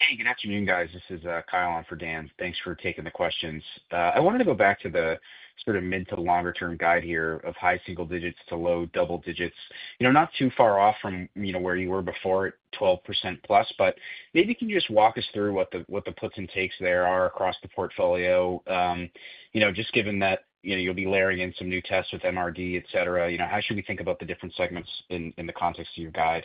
Hey, good afternoon, guys. This is Kyle on for Dan. Thanks for taking the questions. I wanted to go back to the sort of mid to longer-term guide here of high single digits to low double digits. You know, not too far off from where you were before, 12%+, but maybe you can just walk us through what the puts and takes there are across the portfolio. You know, just given that you'll be layering in some new tests with MRD, etc., you know, how should we think about the different segments in the context of your guide?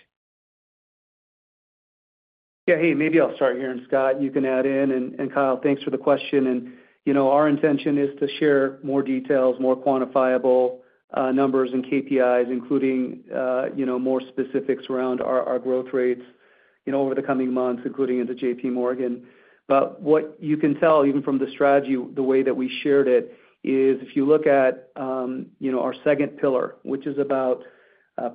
Yeah. Maybe I'll start here, and Scott, you can add in. Kyle, thanks for the question. Our intention is to share more details, more quantifiable numbers and KPIs, including more specifics around our growth rates over the coming months, including into J.P. Morgan. What you can tell, even from the strategy, the way that we shared it, is if you look at our second pillar, which is about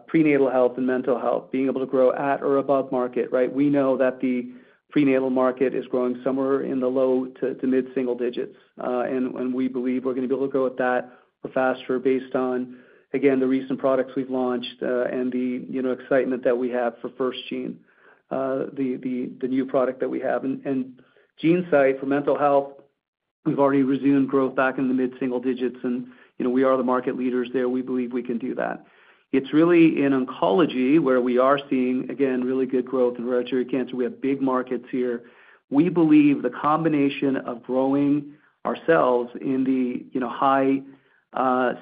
prenatal health and mental health, being able to grow at or above market, right? We know that the prenatal market is growing somewhere in the low to mid-single digits. We believe we're going to be able to go at that faster based on, again, the recent products we've launched and the excitement that we have for FirstGene, the new product that we have. GeneSight for mental health, we've already resumed growth back in the mid-single digits, and we are the market leaders there. We believe we can do that. It's really in oncology where we are seeing, again, really good growth in hereditary cancer. We have big markets here. We believe the combination of growing ourselves in the high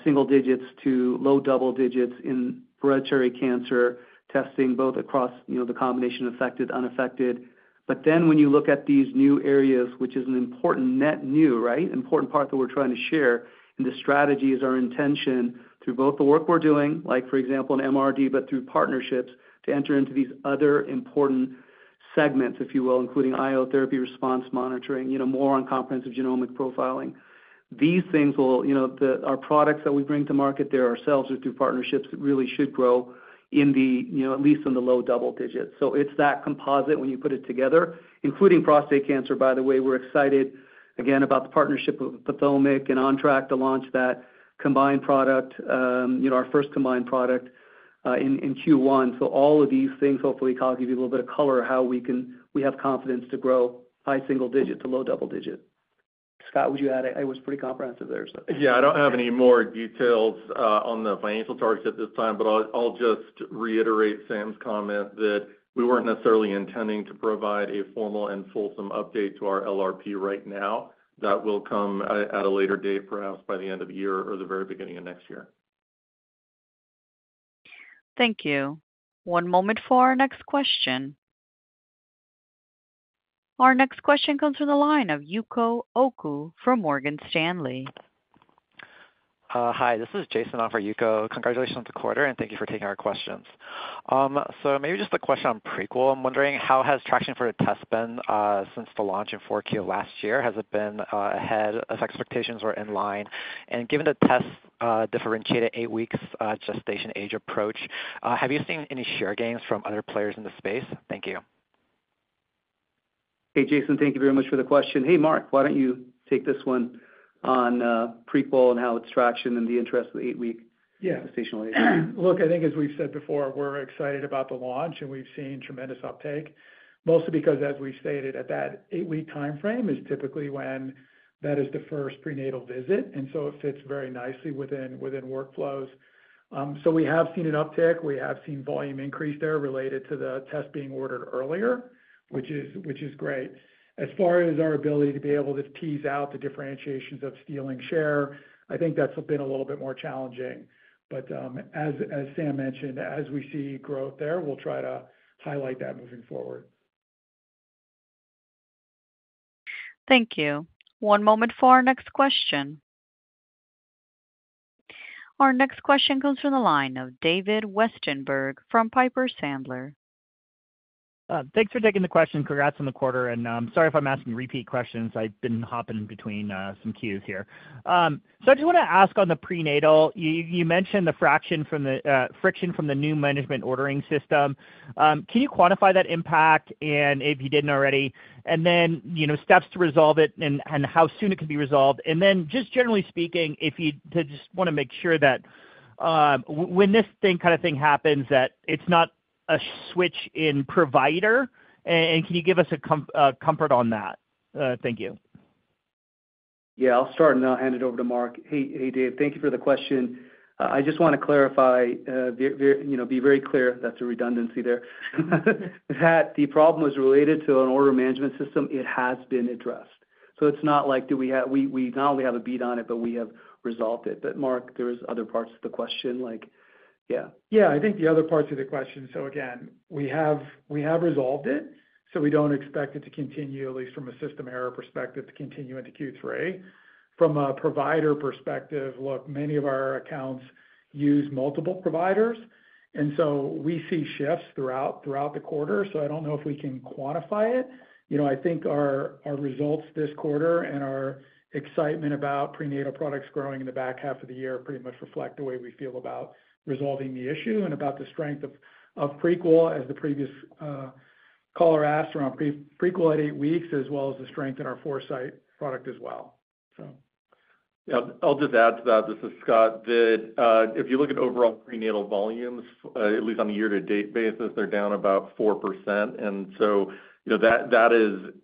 single digits to low double digits in hereditary cancer testing both across the combination affected, unaffected. When you look at these new areas, which is an important net new, important part that we're trying to share in the strategy, is our intention through both the work we're doing, like for example, in MRD, but through partnerships to enter into these other important segments, if you will, including IO therapy response monitoring, more on comprehensive genomic profiling. These things will, our products that we bring to market there ourselves or through partnerships really should grow in at least in the low double digits. It's that composite when you put it together, including prostate cancer, by the way. We're excited again about the partnership with Potomac and OnTrack to launch that combined product, our first combined product in Q1. All of these things, hopefully, Kyle, give you a little bit of color of how we can, we have confidence to grow high single digit to low double digit. Scott, would you add? It was pretty comprehensive there, so. I don't have any more details on the financial targets at this time, but I'll just reiterate Sam's comment that we weren't necessarily intending to provide a formal and fulsome update to our LRP right now. That will come at a later date, perhaps by the end of the year or the very beginning of next year. Thank you. One moment for our next question. Our next question comes from the line of Yuko Oku from Morgan Stanley. Hi. This is Jason on for Yuko. Congratulations on the quarter, and thank you for taking our questions. Maybe just a question on Prequel. I'm wondering, how has traction for the test been since the launch in 4Q last year? Has it been ahead of expectations or in line? Given the test differentiated eight-weeks gestation age approach, have you seen any share gains from other players in the space? Thank you. Hey, Jason. Thank you very much for the question. Hey, Mark. Why don't you take this one on Prequel and how it's traction and the interest in the eight-week gestational age? Yeah. I think, as we've said before, we're excited about the launch, and we've seen tremendous uptake, mostly because, as we stated, at that eight-week timeframe is typically when that is the first prenatal visit. It fits very nicely within workflows. We have seen an uptake. We have seen volume increase there related to the test being ordered earlier, which is great. As far as our ability to be able to tease out the differentiations of stealing share, I think that's been a little bit more challenging. As Sam mentioned, as we see growth there, we'll try to highlight that moving forward. Thank you. One moment for our next question. Our next question comes from the line of David Westenberg from Piper Sandler. Thanks for taking the question. Congrats on the quarter. I'm sorry if I'm asking repeat questions. I've been hopping between some queues here. I just want to ask on the prenatal. You mentioned the friction from the new order management system. Can you quantify that impact, if you didn't already, and then steps to resolve it and how soon it could be resolved? Just generally speaking, I want to make sure that when this kind of thing happens, that it's not a switch in provider, and can you give us comfort on that? Thank you. Yeah. I'll start, and then I'll hand it over to Mark. Hey, Dave. Thank you for the question. I just want to clarify, you know, be very clear that's a redundancy there. The problem was related to an order management system. It has been addressed. It's not like do we have, we not only have a beat on it, but we have resolved it. Mark, there are other parts to the question, like yeah. I think the other parts of the question. We have resolved it, so we don't expect it to continue, at least from a system error perspective, to continue into Q3. From a provider perspective, look, many of our accounts use multiple providers, and we see shifts throughout the quarter. I don't know if we can quantify it. I think our results this quarter and our excitement about prenatal products growing in the back half of the year pretty much reflect the way we feel about resolving the issue and about the strength of Prequel, as the previous caller asked around Prequel at eight weeks, as well as the strength in our Foresight product as well. Yeah. I'll just add to that. This is Scott. David, if you look at overall prenatal volumes, at least on a year-to-date basis, they're down about 4%. That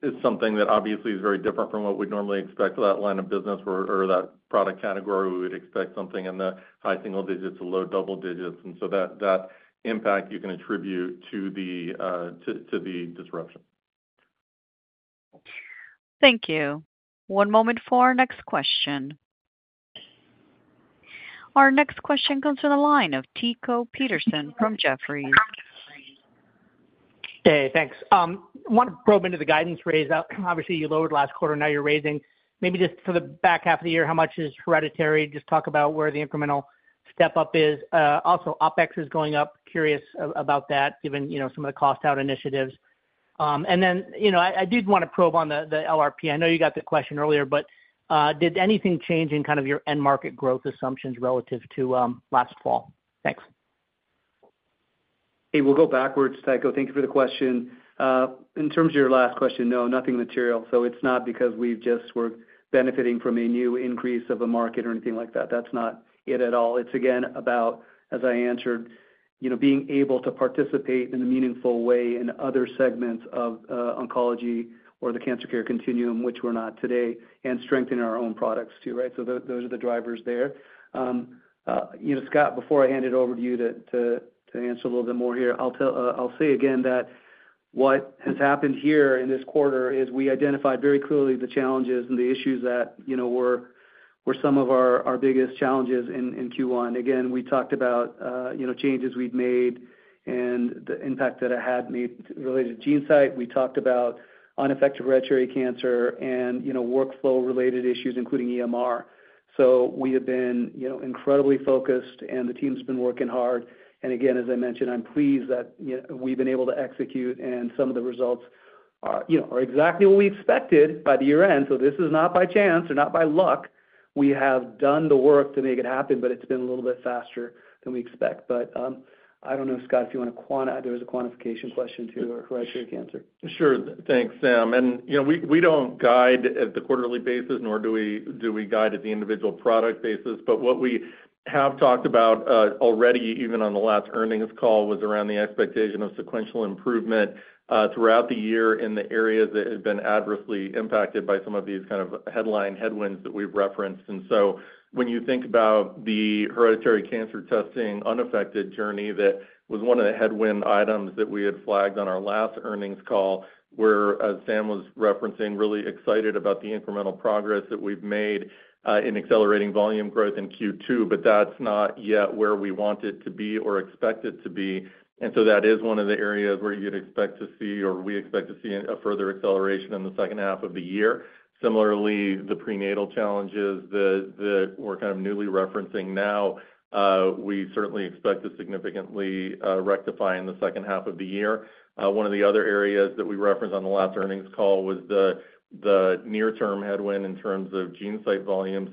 is something that obviously is very different from what we'd normally expect for that line of business or that product category. We would expect something in the high single digits to low double digits. That impact you can attribute to the disruption. Thank you. One moment for our next question. Our next question comes from the line of Tycho Peterson from Jefferies. Hey, thanks. I want to probe into the guidance raised out. Obviously, you lowered last quarter. Now you're raising maybe just for the back half of the year, how much is hereditary? Just talk about where the incremental step-up is. Also, OpEx is going up. Curious about that, given some of the cost-out initiatives. I did want to probe on the LRP. I know you got the question earlier, but did anything change in kind of your end-market growth assumptions relative to last fall? Thanks. We'll go backwards, Tycho. Thank you for the question. In terms of your last question, no, nothing material. It's not because we just were benefiting from a new increase of a market or anything like that. That's not it at all. It's, again, about, as I answered, being able to participate in a meaningful way in other segments of oncology or the cancer care continuum, which we're not today, and strengthening our own products too, right? Those are the drivers there. Scott, before I hand it over to you to answer a little bit more here, I'll say again that what has happened here in this quarter is we identified very clearly the challenges and the issues that were some of our biggest challenges in Q1. We talked about changes we'd made and the impact that it had made related to GeneSight. We talked about unaffected hereditary cancer and workflow-related issues, including EMR. We have been incredibly focused, and the team's been working hard. As I mentioned, I'm pleased that we've been able to execute, and some of the results are exactly what we expected by the year-end. This is not by chance or not by luck. We have done the work to make it happen, but it's been a little bit faster than we expect. I don't know, Scott, if you want to quantify—there was a quantification question to hereditary cancer. Sure. Thanks, Sam. We don't guide at the quarterly basis, nor do we guide at the individual product basis. What we have talked about already, even on the last earnings call, was around the expectation of sequential improvement throughout the year in the areas that had been adversely impacted by some of these kind of headline headwinds that we've referenced. When you think about the hereditary cancer testing unaffected journey, that was one of the headwind items that we had flagged on our last earnings call, where, as Sam was referencing, really excited about the incremental progress that we've made in accelerating volume growth in Q2. That's not yet where we want it to be or expect it to be. That is one of the areas where you'd expect to see or we expect to see a further acceleration in the second half of the year. Similarly, the prenatal challenges that we're kind of newly referencing now, we certainly expect to significantly rectify in the second half of the year. One of the other areas that we referenced on the last earnings call was the near-term headwind in terms of GeneSight volumes,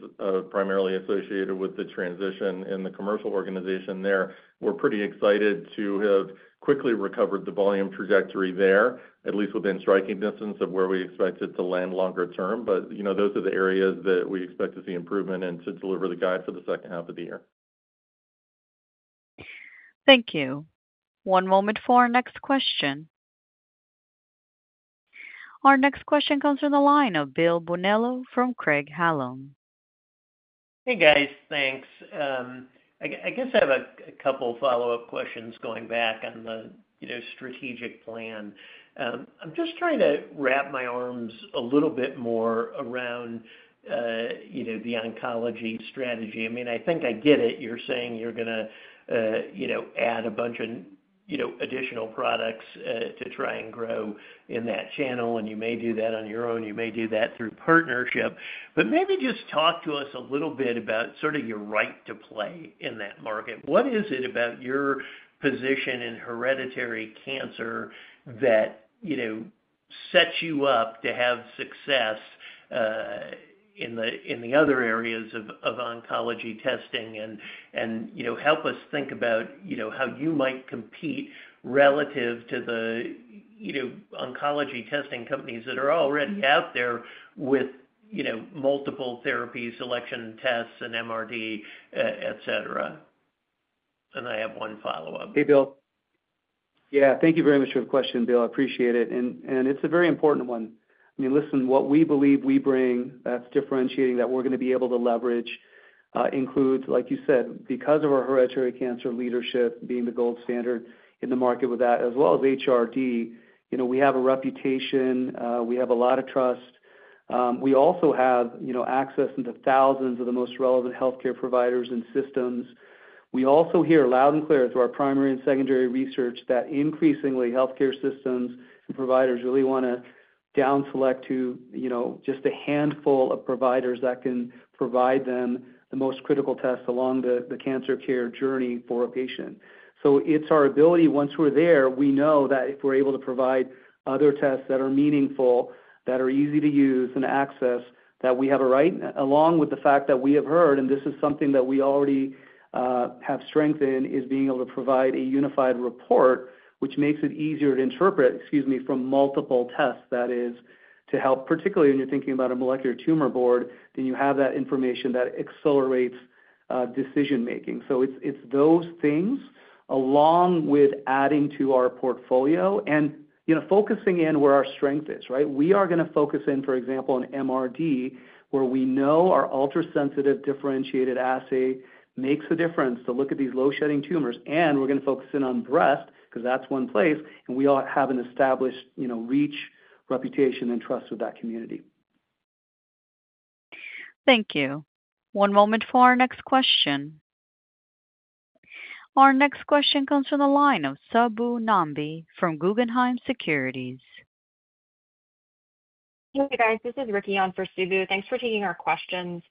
primarily associated with the transition in the commercial organization there. We're pretty excited to have quickly recovered the volume trajectory there, at least within striking distance of where we expect it to land longer term. Those are the areas that we expect to see improvement in to deliver the guide for the second half of the year. Thank you. One moment for our next question. Our next question comes from the line of Bill Bonello from Craig Hallum. Hey, guys. Thanks. I guess I have a couple of follow-up questions going back on the strategic plan. I'm just trying to wrap my arms a little bit more around the oncology strategy. I mean, I think I get it. You're saying you're going to add a bunch of additional products to try and grow in that channel, and you may do that on your own. You may do that through partnership. Maybe just talk to us a little bit about sort of your right to play in that market. What is it about your position in hereditary cancer that sets you up to have success in the other areas of oncology testing? Help us think about how you might compete relative to the oncology testing companies that are already out there with multiple therapies, selection tests, and MRD, etc. I have one follow-up. Hey, Bill. Yeah. Thank you very much for the question, Bill. I appreciate it. It's a very important one. I mean, listen, what we believe we bring that's differentiating that we're going to be able to leverage includes, like you said, because of our hereditary cancer leadership being the gold standard in the market with that, as well as HRD, you know, we have a reputation. We have a lot of trust. We also have access into thousands of the most relevant healthcare providers and systems. We also hear loud and clear through our primary and secondary research that increasingly, healthcare systems and providers really want to down-select to just a handful of providers that can provide them the most critical tests along the cancer care journey for a patient. It's our ability, once we're there, we know that if we're able to provide other tests that are meaningful, that are easy to use and access, that we have a right, along with the fact that we have heard, and this is something that we already have strength in, is being able to provide a unified report, which makes it easier to interpret, excuse me, from multiple tests. That is to help, particularly when you're thinking about a molecular tumor board, then you have that information that accelerates decision-making. It's those things, along with adding to our portfolio and focusing in where our strength is, right? We are going to focus in, for example, on MRD, where we know our ultra-sensitive differentiated assay makes a difference to look at these low-shedding tumors. We're going to focus in on breast because that's one place. We all have an established reach, reputation, and trust with that community. Thank you. One moment for our next question. Our next question comes from the line of Subu Nambi from Guggenheim Securities. Hey, guys. This is Ricky on for Subu. Thanks for taking our questions.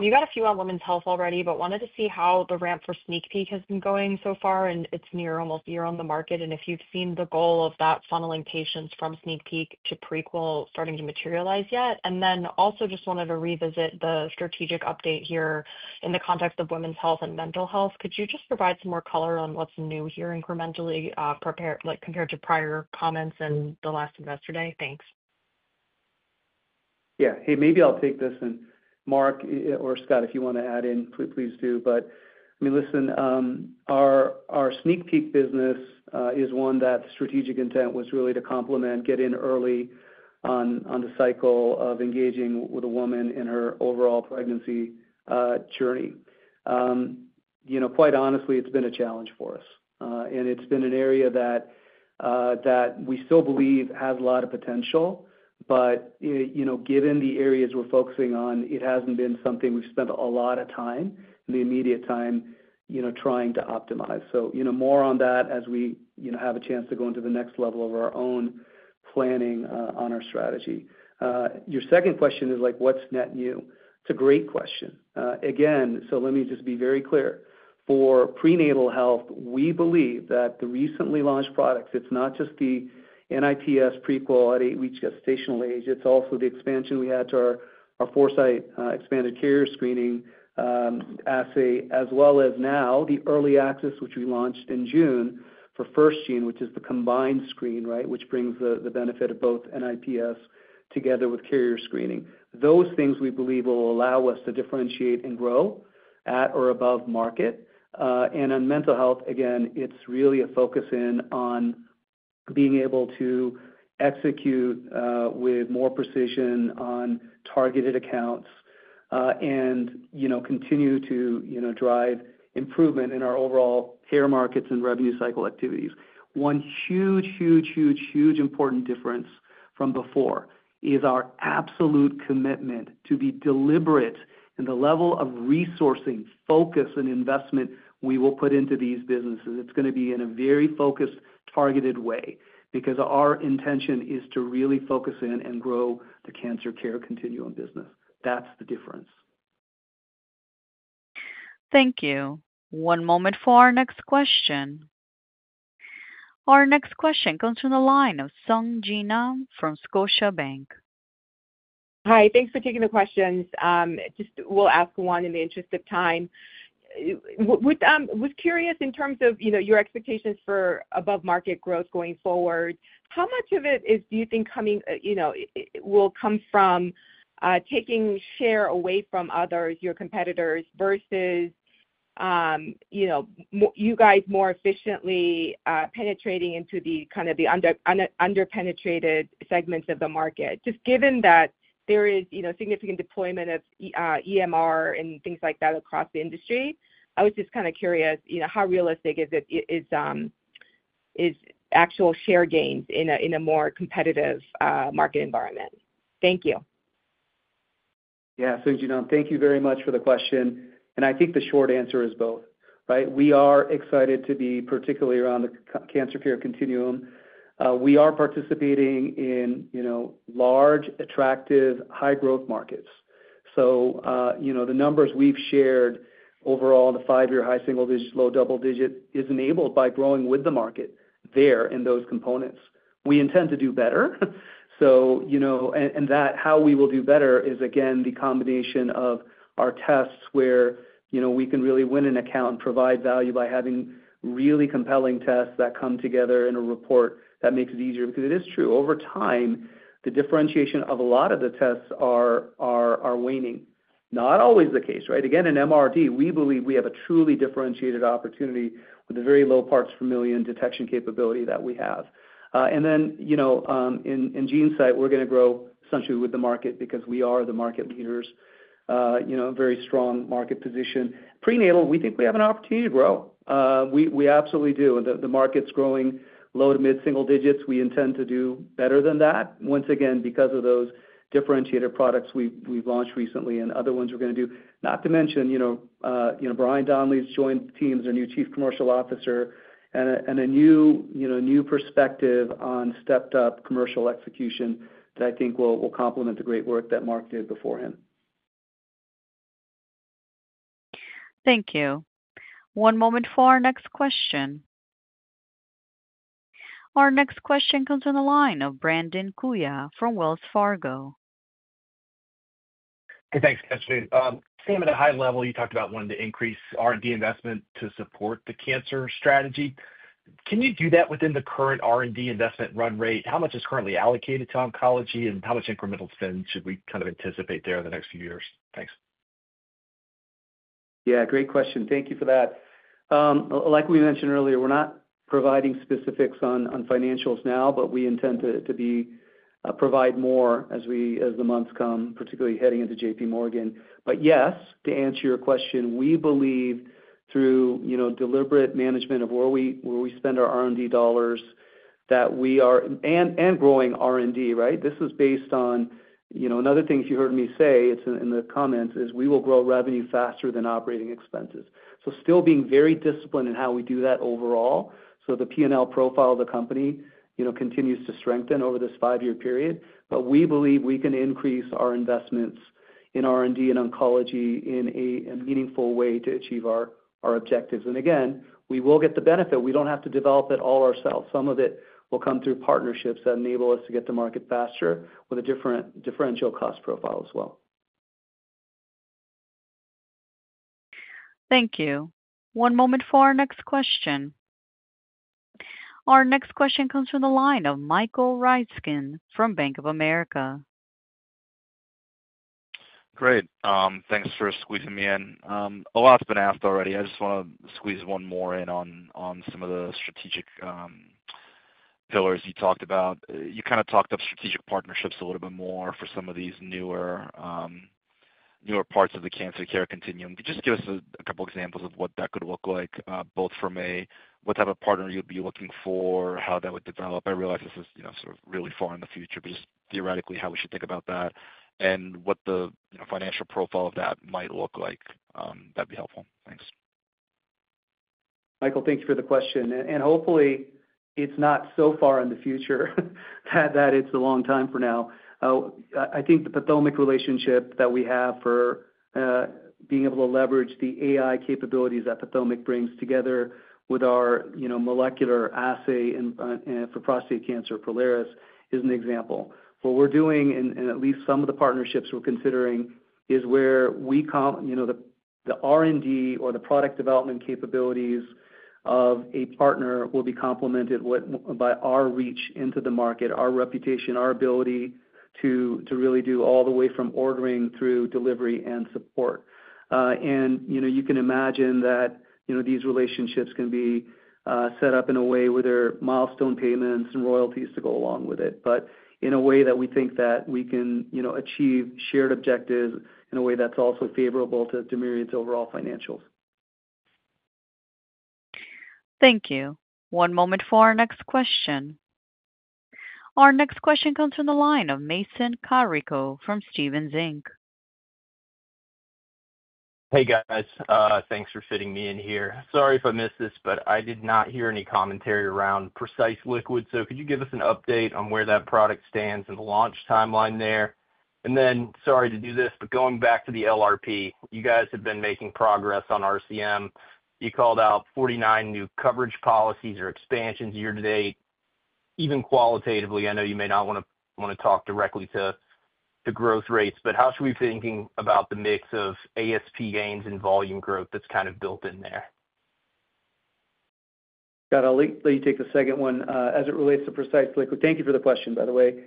We've had a few on women's health already, but wanted to see how the ramp for SneakPeek has been going so far, and it's near almost a year on the market. If you've seen the goal of that funneling patients from SneakPeek to Prequel starting to materialize yet. Also, just wanted to revisit the strategic update here in the context of women's health and mental health. Could you just provide some more color on what's new here incrementally compared to prior comments and the last one yesterday? Thanks. Yeah. Hey, maybe I'll take this, and Mark or Scott, if you want to add in, please do. Our SneakPeek business is one that the strategic intent was really to complement, get in early on the cycle of engaging with a woman in her overall pregnancy journey. Quite honestly, it's been a challenge for us. It's been an area that we still believe has a lot of potential. You know, given the areas we're focusing on, it hasn't been something we've spent a lot of time in the immediate time trying to optimize. More on that as we have a chance to go into the next level of our own planning on our strategy. Your second question is like, what's net new? It's a great question. Again, let me just be very clear. For prenatal health, we believe that the recently launched products, it's not just the NIPS, Prequel, and HGS gestational age. It's also the expansion we had to our Foresight expanded carrier screening assay, as well as now the early access, which we launched in June for FirstGene, which is the combined screen, right, which brings the benefit of both NIPS together with carrier screening. Those things we believe will allow us to differentiate and grow at or above market. On mental health, again, it's really a focus in on being able to execute with more precision on targeted accounts and continue to drive improvement in our overall care markets and revenue cycle activities. One huge, huge, huge, huge important difference from before is our absolute commitment to be deliberate in the level of resourcing, focus, and investment we will put into these businesses. It's going to be in a very focused, targeted way because our intention is to really focus in and grow the cancer care continuum business. That's the difference. Thank you. One moment for our next question. Our next question comes from the line of Sung Ji Nam from Scotiabank. Hi. Thanks for taking the questions. I'll ask one in the interest of time. I was curious in terms of your expectations for above-market growth going forward. How much of it do you think, you know, will come from taking share away from others, your competitors, versus you guys more efficiently penetrating into the kind of the underpenetrated segments of the market? Just given that there is significant deployment of EMR and things like that across the industry, I was just kind of curious, you know, how realistic is it is actual share gains in a more competitive market environment? Thank you. Yeah. Sung Ji Nam, thank you very much for the question. I think the short answer is both, right? We are excited to be particularly around the cancer care continuum. We are participating in, you know, large, attractive, high-growth markets. The numbers we've shared overall in the five-year high single digit, low double digit is enabled by growing with the market there in those components. We intend to do better. That how we will do better is, again, the combination of our tests where, you know, we can really win an account and provide value by having really compelling tests that come together in a report that makes it easier. It is true, over time, the differentiation of a lot of the tests are waning. Not always the case, right? Again, in MRD, we believe we have a truly differentiated opportunity with the very low parts per million detection capability that we have. In GeneSight, we're going to grow essentially with the market because we are the market leaders, you know, a very strong market position. Prenatal, we think we have an opportunity to grow. We absolutely do. The market's growing low to mid-single digits. We intend to do better than that, once again, because of those differentiated products we've launched recently and other ones we're going to do. Not to mention, you know, Bryan Donnelly's joint team is our new Chief Commercial Officer and a new perspective on stepped-up commercial execution that I think will complement the great work that Mark did before him. Thank you. One moment for our next question. Our next question comes from the line of Brandon Couillard from Wells Fargo. Hey, thanks, Jasmine. Sam, at a high level, you talked about wanting to increase R&D investment to support the cancer strategy. Can you do that within the current R&D investment run rate? How much is currently allocated to oncology, and how much incremental spend should we kind of anticipate there in the next few years? Thanks. Great question. Thank you for that. Like we mentioned earlier, we're not providing specifics on financials now, but we intend to provide more as the months come, particularly heading into J.P. Morgan. Yes, to answer your question, we believe through deliberate management of where we spend our R&D dollars that we are and growing R&D, right? This is based on another thing if you heard me say, it's in the comments, is we will grow revenue faster than operating expenses. Still being very disciplined in how we do that overall so the P&L profile of the company continues to strengthen over this five-year period. We believe we can increase our investments in R&D and oncology in a meaningful way to achieve our objectives. Again, we will get the benefit. We don't have to develop it all ourselves. Some of it will come through partnerships that enable us to get to market faster with a differential cost profile as well. Thank you. One moment for our next question. Our next question comes from the line of Michael Ryskin from BofA Securities. Great. Thanks for squeezing me in. A lot's been asked already. I just want to squeeze one more in on some of the strategic pillars you talked about. You kind of talked up strategic partnerships a little bit more for some of these newer parts of the cancer care continuum. Could you just give us a couple of examples of what that could look like, both for me, what type of partner you'd be looking for, how that would develop? I realize this is sort of really far in the future, but just theoretically, how we should think about that and what the financial profile of that might look like. That'd be helpful. Thanks. Michael, thanks for the question. It's Not so far in the future that it's a long time from now. I think the Potomac relationship that we have for being able to leverage the AI capabilities that Potomac brings together with our molecular assay for prostate cancer, Prolaris, is an example. What we're doing, and at least some of the partnerships we're considering, is where the R&D or the product development capabilities of a partner will be complemented by our reach into the market, our reputation, our ability to really do all the way from ordering through delivery and support. You can imagine that these relationships can be set up in a way where there are milestone payments and royalties to go along with it, in a way that we think that we can achieve shared objectives in a way that's also favorable to Myriad Genetics' overall financials. Thank you. One moment for our next question. Our next question comes from the line of Mason Carrico from Stephens Inc. Hey guys, thanks for fitting me in here. Sorry if I missed this, but I did not hear any commentary around Precise Liquid. Could you give us an update on where that product stands and the launch timeline there? Sorry to do this, but going back to the LRP, you guys have been making progress on RCM. You called out 49 new coverage policies or expansions year to date. Even qualitatively, I know you may not want to talk directly to growth rates, but how should we be thinking about the mix of ASP gains and volume growth that's kind of built in there? Got to let you take the second one. As it relates to Precise Liquid, thank you for the question, by the way.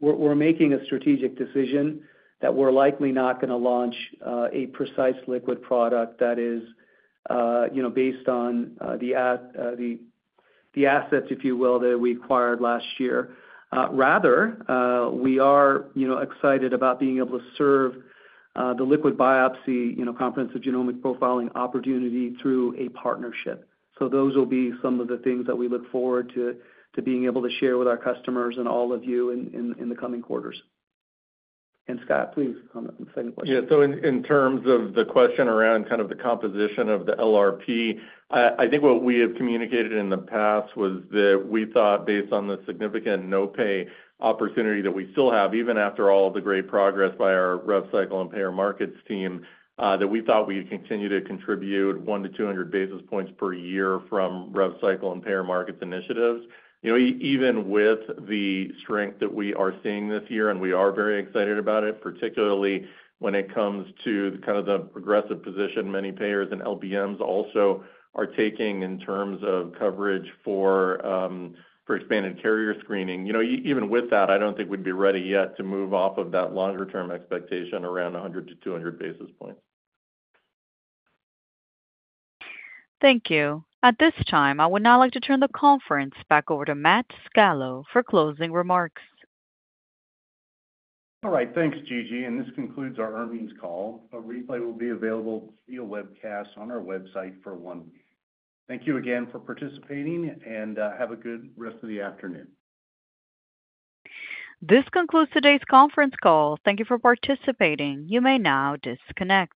We're making a strategic decision that we're likely not going to launch a Precise Liquid product that is based on the assets, if you will, that we acquired last year. Rather, we are excited about being able to serve the liquid biopsy comprehensive genomic profiling opportunity through a partnership. Those will be some of the things that we look forward to being able to share with our customers and all of you in the coming quarters. Scott, please come to the second question. Yeah, in terms of the question around the composition of the LRP, I think what we have communicated in the past was that we thought, based on the significant no-pay opportunity that we still have, even after all the great progress by our RevCycle and Payer Markets team, that we thought we'd continue to contribute 100-200 basis points per year from RevCycle and Payer Markets initiatives. Even with the strength that we are seeing this year, and we are very excited about it, particularly when it comes to the aggressive position many payers and LBMs also are taking in terms of coverage for expanded carrier screening. Even with that, I don't think we'd be ready yet to move off of that longer-term expectation around 100-200 basis points. Thank you. At this time, I would now like to turn the conference back over to Matt Scalo for closing remarks. All right, thanks, Gigi. This concludes our earnings call. A replay will be available via webcast on our website for one week. Thank you again for participating and have a good rest of the afternoon. This concludes today's conference call. Thank you for participating. You may now disconnect.